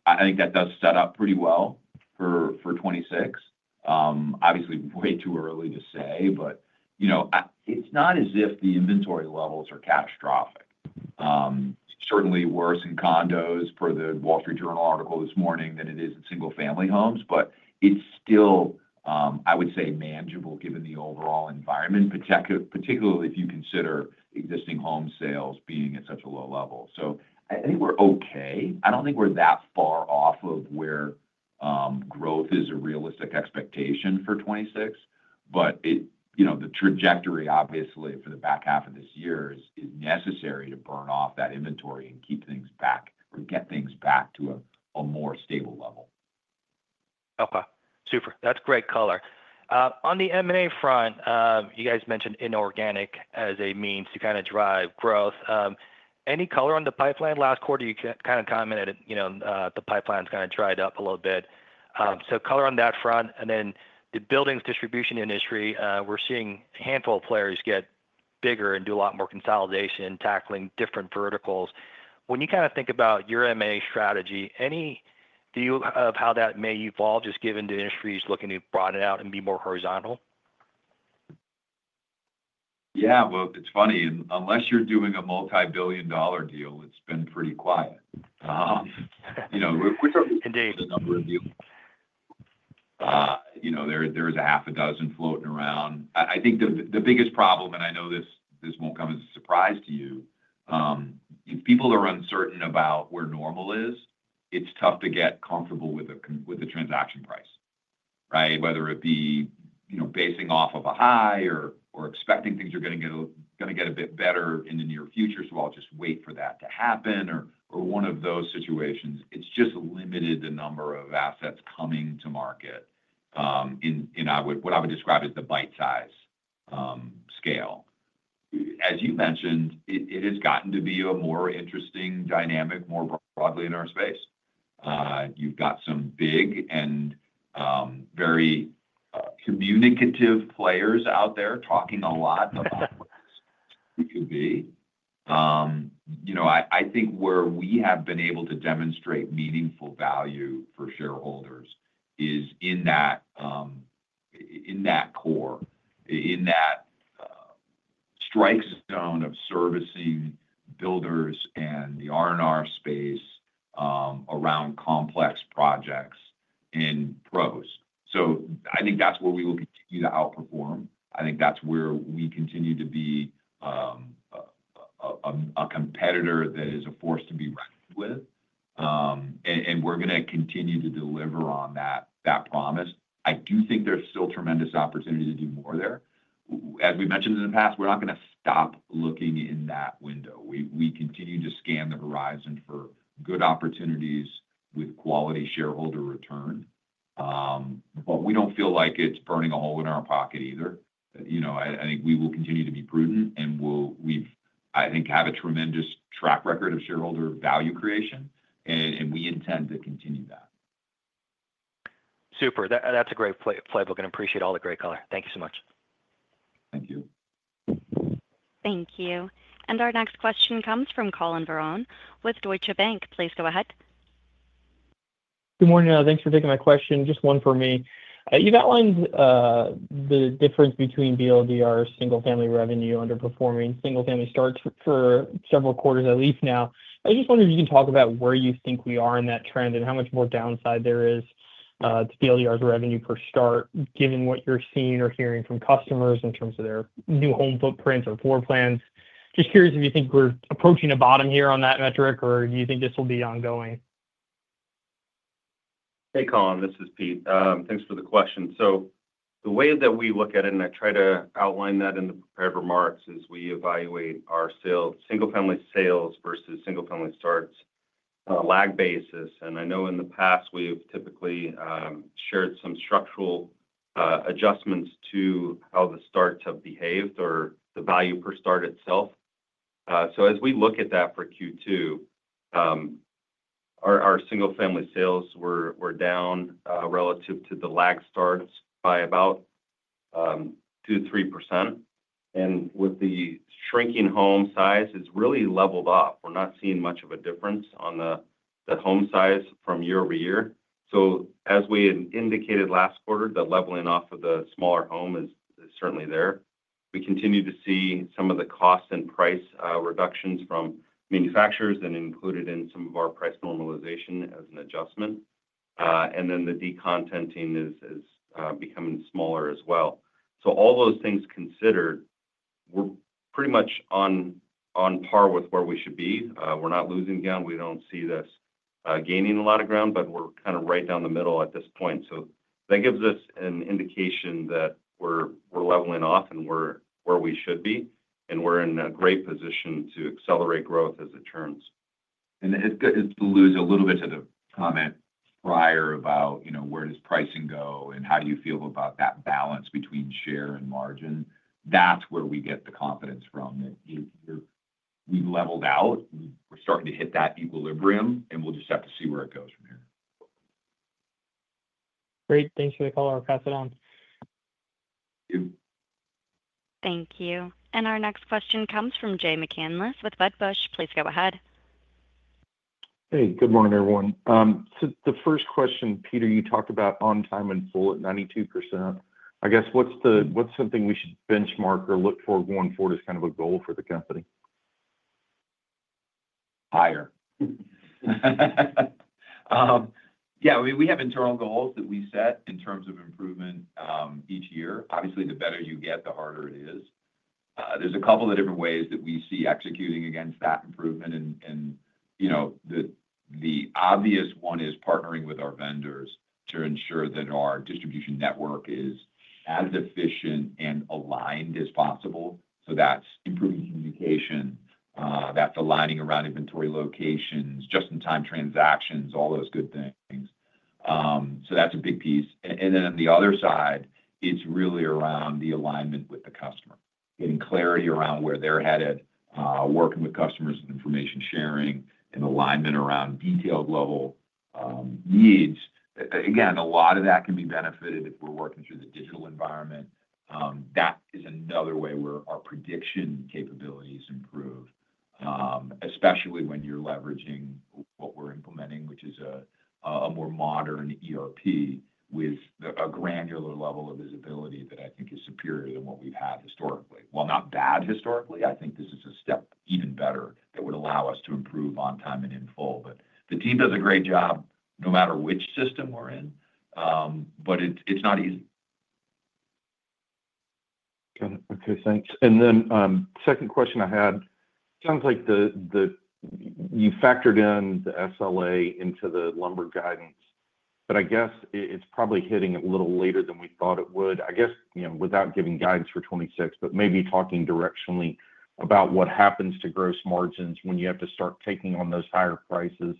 I think that does set up pretty well for 2026. Obviously, way too early to say, but it's not as if the inventory levels are catastrophic. Certainly worse in condos per the Wall Street Journal article this morning than it is in Single-Family homes, but it's still, I would say, manageable given the overall environment, particularly if you consider existing home sales being at such a low level. I think we're okay. I don't think we're that far off of where growth is a realistic expectation for 2026. The trajectory, obviously, for the back half of this year is necessary to burn off that inventory and keep things back or get things back to a more stable level. Okay. Super. That's great color. On the M&A front, you guys mentioned inorganic as a means to kind of drive growth. Any color on the pipeline? Last quarter, you kind of commented the pipeline's kind of dried up a little bit. Color on that front. In the buildings distribution industry, we're seeing a handful of players get bigger and do a lot more consolidation, tackling different verticals. When you kind of think about your M&A strategy, any view of how that may evolve just given the industry is looking to broaden out and be more horizontal? Yeah, it's funny. Unless you're doing a multi-billion dollar deal, it's been pretty quiet. Indeed. There's a half a dozen floating around. I think the biggest problem, and I know this won't come as a surprise to you, if people are uncertain about where normal is, it's tough to get comfortable with the transaction price, right? Whether it be basing off of a high or expecting things are going to get a bit better in the near future, I'll just wait for that to happen, or one of those situations, it's just limited the number of assets coming to market in what I would describe as the bite-size scale. As you mentioned, it has gotten to be a more interesting dynamic more broadly in our space. You've got some big and very communicative players out there talking a lot about what this could be. I think where we have been able to demonstrate meaningful value for shareholders is in that core, in that strike zone of servicing builders and the R&R space around complex projects and pros. I think that's where we will continue to outperform. I think that's where we continue to be a competitor that is a force to be reckoned with, and we're going to continue to deliver on that promise. I do think there's still tremendous opportunity to do more there. As we mentioned in the past, we're not going to stop looking in that window. We continue to scan the horizon for good opportunities with quality shareholder return, but we don't feel like it's burning a hole in our pocket either. I think we will continue to be prudent, and we've had a tremendous track record of shareholder value creation, and we intend to continue that. Super. That's a great playbook. I appreciate all the great color. Thank you so much. Thank you. Thank you. Our next question comes from Collin Verron with Deutsche Bank. Please go ahead. Good morning. Thanks for taking my question. Just one for me. You've outlined the difference between BLDR Single-Family revenue underperforming Single-Family Starts for several quarters at least now. I just wonder if you can talk about where you think we are in that trend and how much more downside there is to BLDR's revenue per start, given what you're seeing or hearing from customers in terms of their new home footprints or floor plans. Just curious if you think we're approaching a bottom here on that metric, or do you think this will be ongoing? Hey, Collin. This is Pete. Thanks for the question. The way that we look at it, and I try to outline that in the prepared remarks, is we evaluate our Single-Family sales versus Single-Family Starts on a lag basis. I know in the past, we've typically shared some structural adjustments to how the starts have behaved or the value per start itself. As we look at that for Q2, our Single-Family sales were down relative to the lag starts by about 2% to 3%. With the shrinking home size, it's really leveled off. We're not seeing much of a difference on the home size from year over year. As we indicated last quarter, the leveling off of the smaller home is certainly there. We continue to see some of the cost and price reductions from manufacturers that are included in some of our price normalization as an adjustment. The decontenting is becoming smaller as well. All those things considered, we're pretty much on par with where we should be. We're not losing ground. We don't see this gaining a lot of ground, but we're kind of right down the middle at this point. That gives us an indication that we're leveling off and we're where we should be. We're in a great position to accelerate growth as it turns. To lose a little bit to the comment prior about where does pricing go and how do you feel about that balance between share and margin, that's where we get the confidence from. We've leveled out. We're starting to hit that equilibrium, and we'll just have to see where it goes from here. Great. Thanks for the call. I'll pass it on. Thank you. Our next question comes from Jay McCanless with Wedbush. Please go ahead. Good morning, everyone. The first question, Peter, you talked about on time and full at 92%. I guess what's something we should benchmark or look for going forward as kind of a goal for the company? Higher. Yeah. I mean, we have internal goals that we set in terms of improvement each year. Obviously, the better you get, the harder it is. There are a couple of different ways that we see executing against that improvement. The obvious one is partnering with our vendors to ensure that our distribution network is as efficient and aligned as possible. That is improving communication, aligning around inventory locations, just-in-time transactions, all those good things. That is a big piece. On the other side, it's really around the alignment with the customer, getting clarity around where they're headed, working with customers and information sharing, and alignment around detailed level needs. Again, a lot of that can be benefited if we're working through the digital environment. That is another way where our prediction capabilities improve, especially when you're leveraging what we're implementing, which is a more modern ERP with a granular level of visibility that I think is superior to what we've had historically. Not bad historically, I think this is a step even better that would allow us to improve on time and in full. The team does a great job no matter which system we're in, but it's not easy. Got it. Okay. Thanks. The second question I had, it sounds like you factored in the SLA into the lumber guidance, but I guess it's probably hitting it a little later than we thought it would. I guess without giving guidance for 2026, but maybe talking directionally about what happens to gross margins when you have to start taking on those higher prices.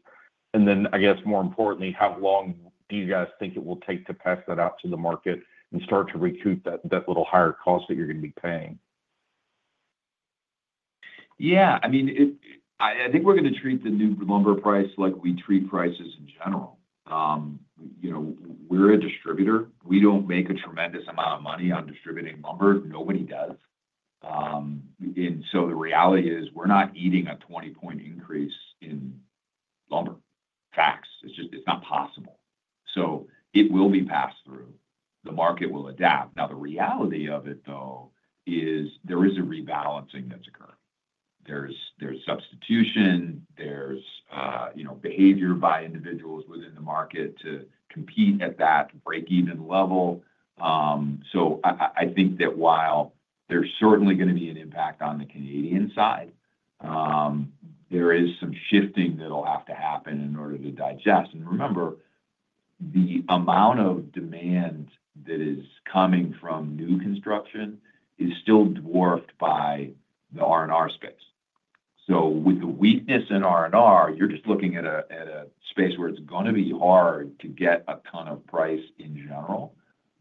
More importantly, how long do you guys think it will take to pass that out to the market and start to recoup that little higher cost that you're going to be paying? Yeah. I mean, I think we're going to treat the new lumber price like we treat prices in general. We're a distributor. We don't make a tremendous amount of money on distributing lumber. Nobody does. The reality is we're not eating a 20-point increase in lumber tax. It's not possible. It will be passed through. The market will adapt. Now, the reality of it, though, is there is a rebalancing that's occurring. There's substitution. There's behavior by individuals within the market to compete at that break-even level. I think that while there's certainly going to be an impact on the Canadian side, there is some shifting that'll have to happen in order to digest. Remember, the amount of demand that is coming from new construction is still dwarfed by the R&R space. With the weakness in R&R, you're just looking at a space where it's going to be hard to get a ton of price in general,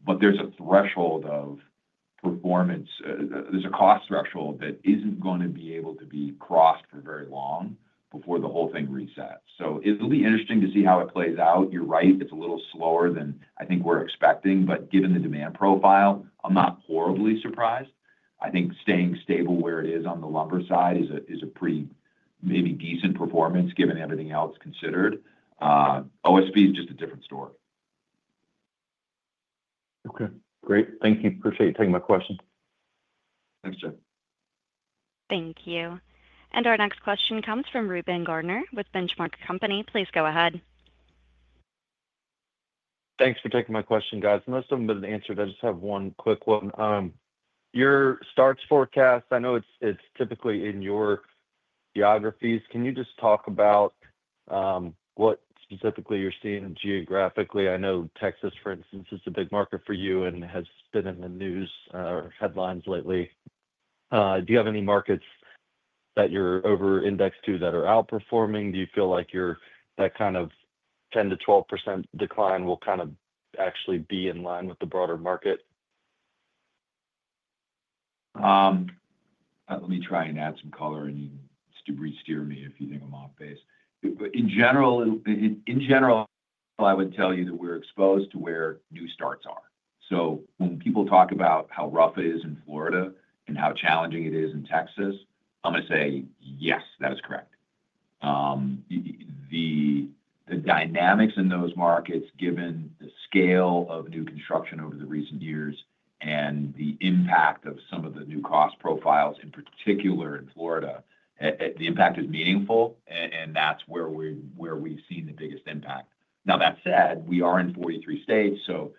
but there's a threshold of performance, there's a cost threshold that isn't going to be able to be crossed for very long before the whole thing resets. It'll be interesting to see how it plays out. You're right. It's a little slower than I think we're expecting, but given the demand profile, I'm not horribly surprised. I think staying stable where it is on the lumber side is a pretty maybe decent performance given everything else considered. OSB is just a different story. Okay. Great. Thank you. Appreciate you taking my question. Thanks, Jeff. Thank you. Our next question comes from Reuben Garner with Benchmark Company. Please go ahead. Thanks for taking my question, guys. Most of them have been answered. I just have one quick one. Your starts forecast, I know it's typically in your geographies. Can you just talk about what specifically you're seeing geographically? I know Texas, for instance, is a big market for you and has been in the news or headlines lately. Do you have any markets that you're over-indexed to that are outperforming? Do you feel like that kind of 10% to 12% decline will actually be in line with the broader market? Let me try and add some color and you can re-steer me if you think I'm off base. In general, I would tell you that we're exposed to where new starts are. When people talk about how rough it is in Florida and how challenging it is in Texas, I'm going to say, yes, that is correct. The dynamics in those markets, given the scale of new construction over the recent years and the impact of some of the new cost profiles, in particular in Florida, the impact is meaningful, and that's where we've seen the biggest impact. That said, we are in 43 states, so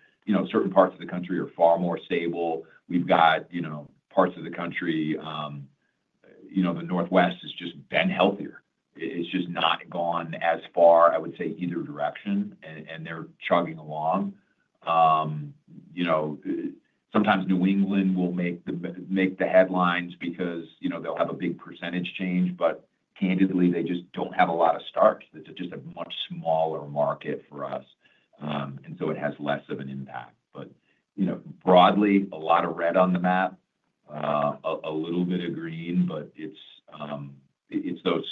certain parts of the country are far more stable. We've got parts of the country. The Northwest has just been healthier. It's just not gone as far, I would say, either direction, and they're chugging along. Sometimes New England will make the headlines because they'll have a big percentage change, but candidly, they just don't have a lot of starts. It's just a much smaller market for us, and so it has less of an impact. Broadly, a lot of red on the map, a little bit of green, but it's those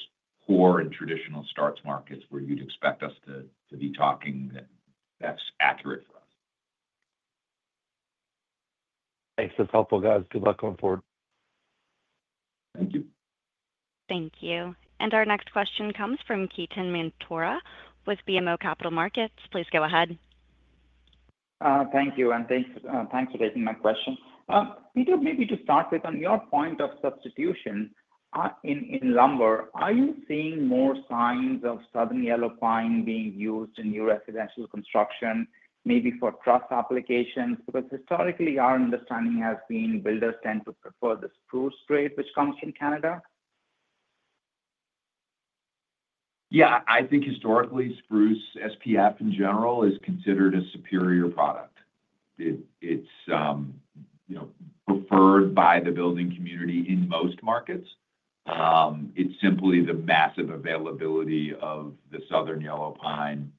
core and traditional starts markets where you'd expect us to be talking that's accurate for us. Thanks. That's helpful, guys. Good luck going forward. Thank you. Thank you. Our next question comes from Ketan Mamtora with BMO Capital Markets. Please go ahead. Thank you. Thank you for taking my question. Peter, maybe to start with, on your point of substitution. In lumber, are you seeing more signs of Southern Yellow Pine being used in new residential construction, maybe for truss applications? Historically, our understanding has been builders tend to prefer the spruce straight, which comes from Canada. Yeah. I think historically, spruce, SPF in general, is considered a superior product. It's preferred by the building community in most markets. It's simply the massive availability of the Southern Yellow Pine.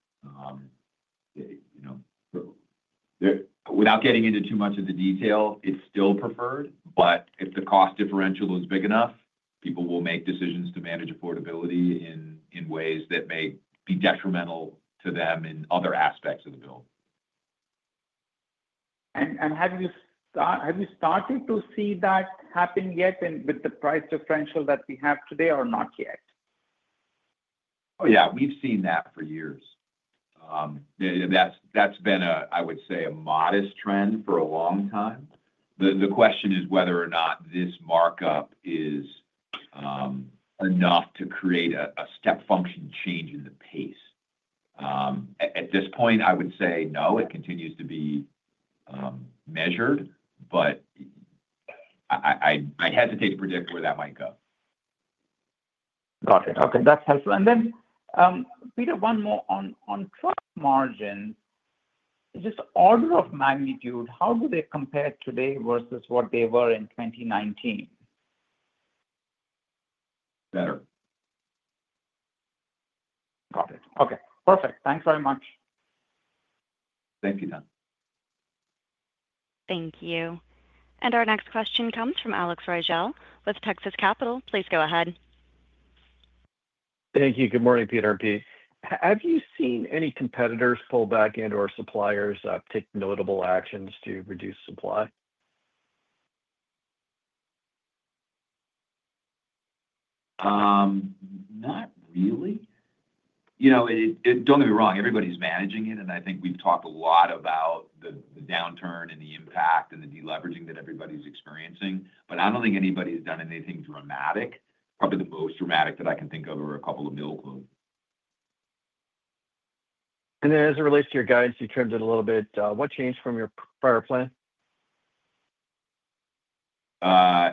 Without getting into too much of the detail, it's still preferred. If the cost differential is big enough, people will make decisions to manage affordability in ways that may be detrimental to them in other aspects of the build. Have you started to see that happen yet with the price differential that we have today or not yet? Oh, yeah. We've seen that for years. That's been, I would say, a modest trend for a long time. The question is whether or not this markup is enough to create a step function change in the pace. At this point, I would say no. It continues to be measured, but I hesitate to predict where that might go. Got it. Okay. That's helpful. Peter, one more on truss margins. Just order of magnitude, how do they compare today versus what they were in 2019? Better. Got it. Okay. Perfect. Thanks very much. Thank you then. Thank you. Our next question comes from Alex Rigel with Texas Capital. Please go ahead. Thank you. Good morning, Peter and Pete. Have you seen any competitors pull back and/or suppliers take notable actions to reduce supply? Not really. Don't get me wrong. Everybody's managing it, and I think we've talked a lot about the downturn and the impact and the deleveraging that everybody's experiencing, but I don't think anybody's done anything dramatic. Probably the most dramatic that I can think of are a couple of mill loads. As it relates to your guidance, you trimmed it a little bit. What changed from your prior plan?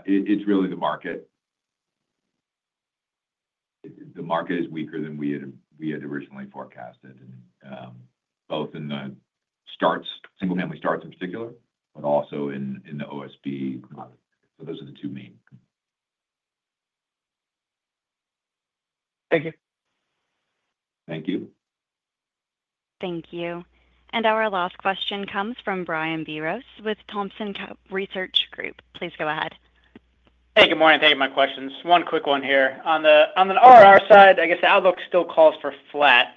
It's really the market. The market is weaker than we had originally forecasted, both in the Single-Family starts in particular, but also in the OSB product. Those are the two main. Thank you. Thank you. Thank you. Our last question comes from Brian Biros with Thompson Research Group. Please go ahead. Hey, good morning. Thank you for my questions. One quick one here. On the R&R side, I guess the outlook still calls for flat.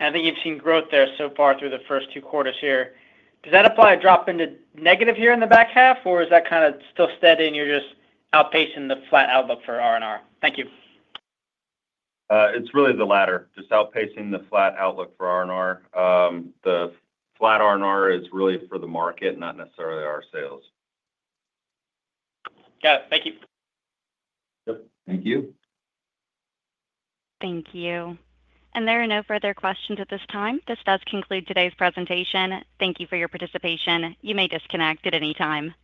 I think you've seen growth there so far through the first two quarters here. Does that apply a drop into negative here in the back half, or is that kind of still steady and you're just outpacing the flat outlook for R&R? Thank you. It's really the latter. Just outpacing the flat outlook for R&R. The flat R&R is really for the market, not necessarily our sales. Got it. Thank you. Thank you. Thank you. There are no further questions at this time. This does conclude today's presentation. Thank you for your participation. You may disconnect at any time.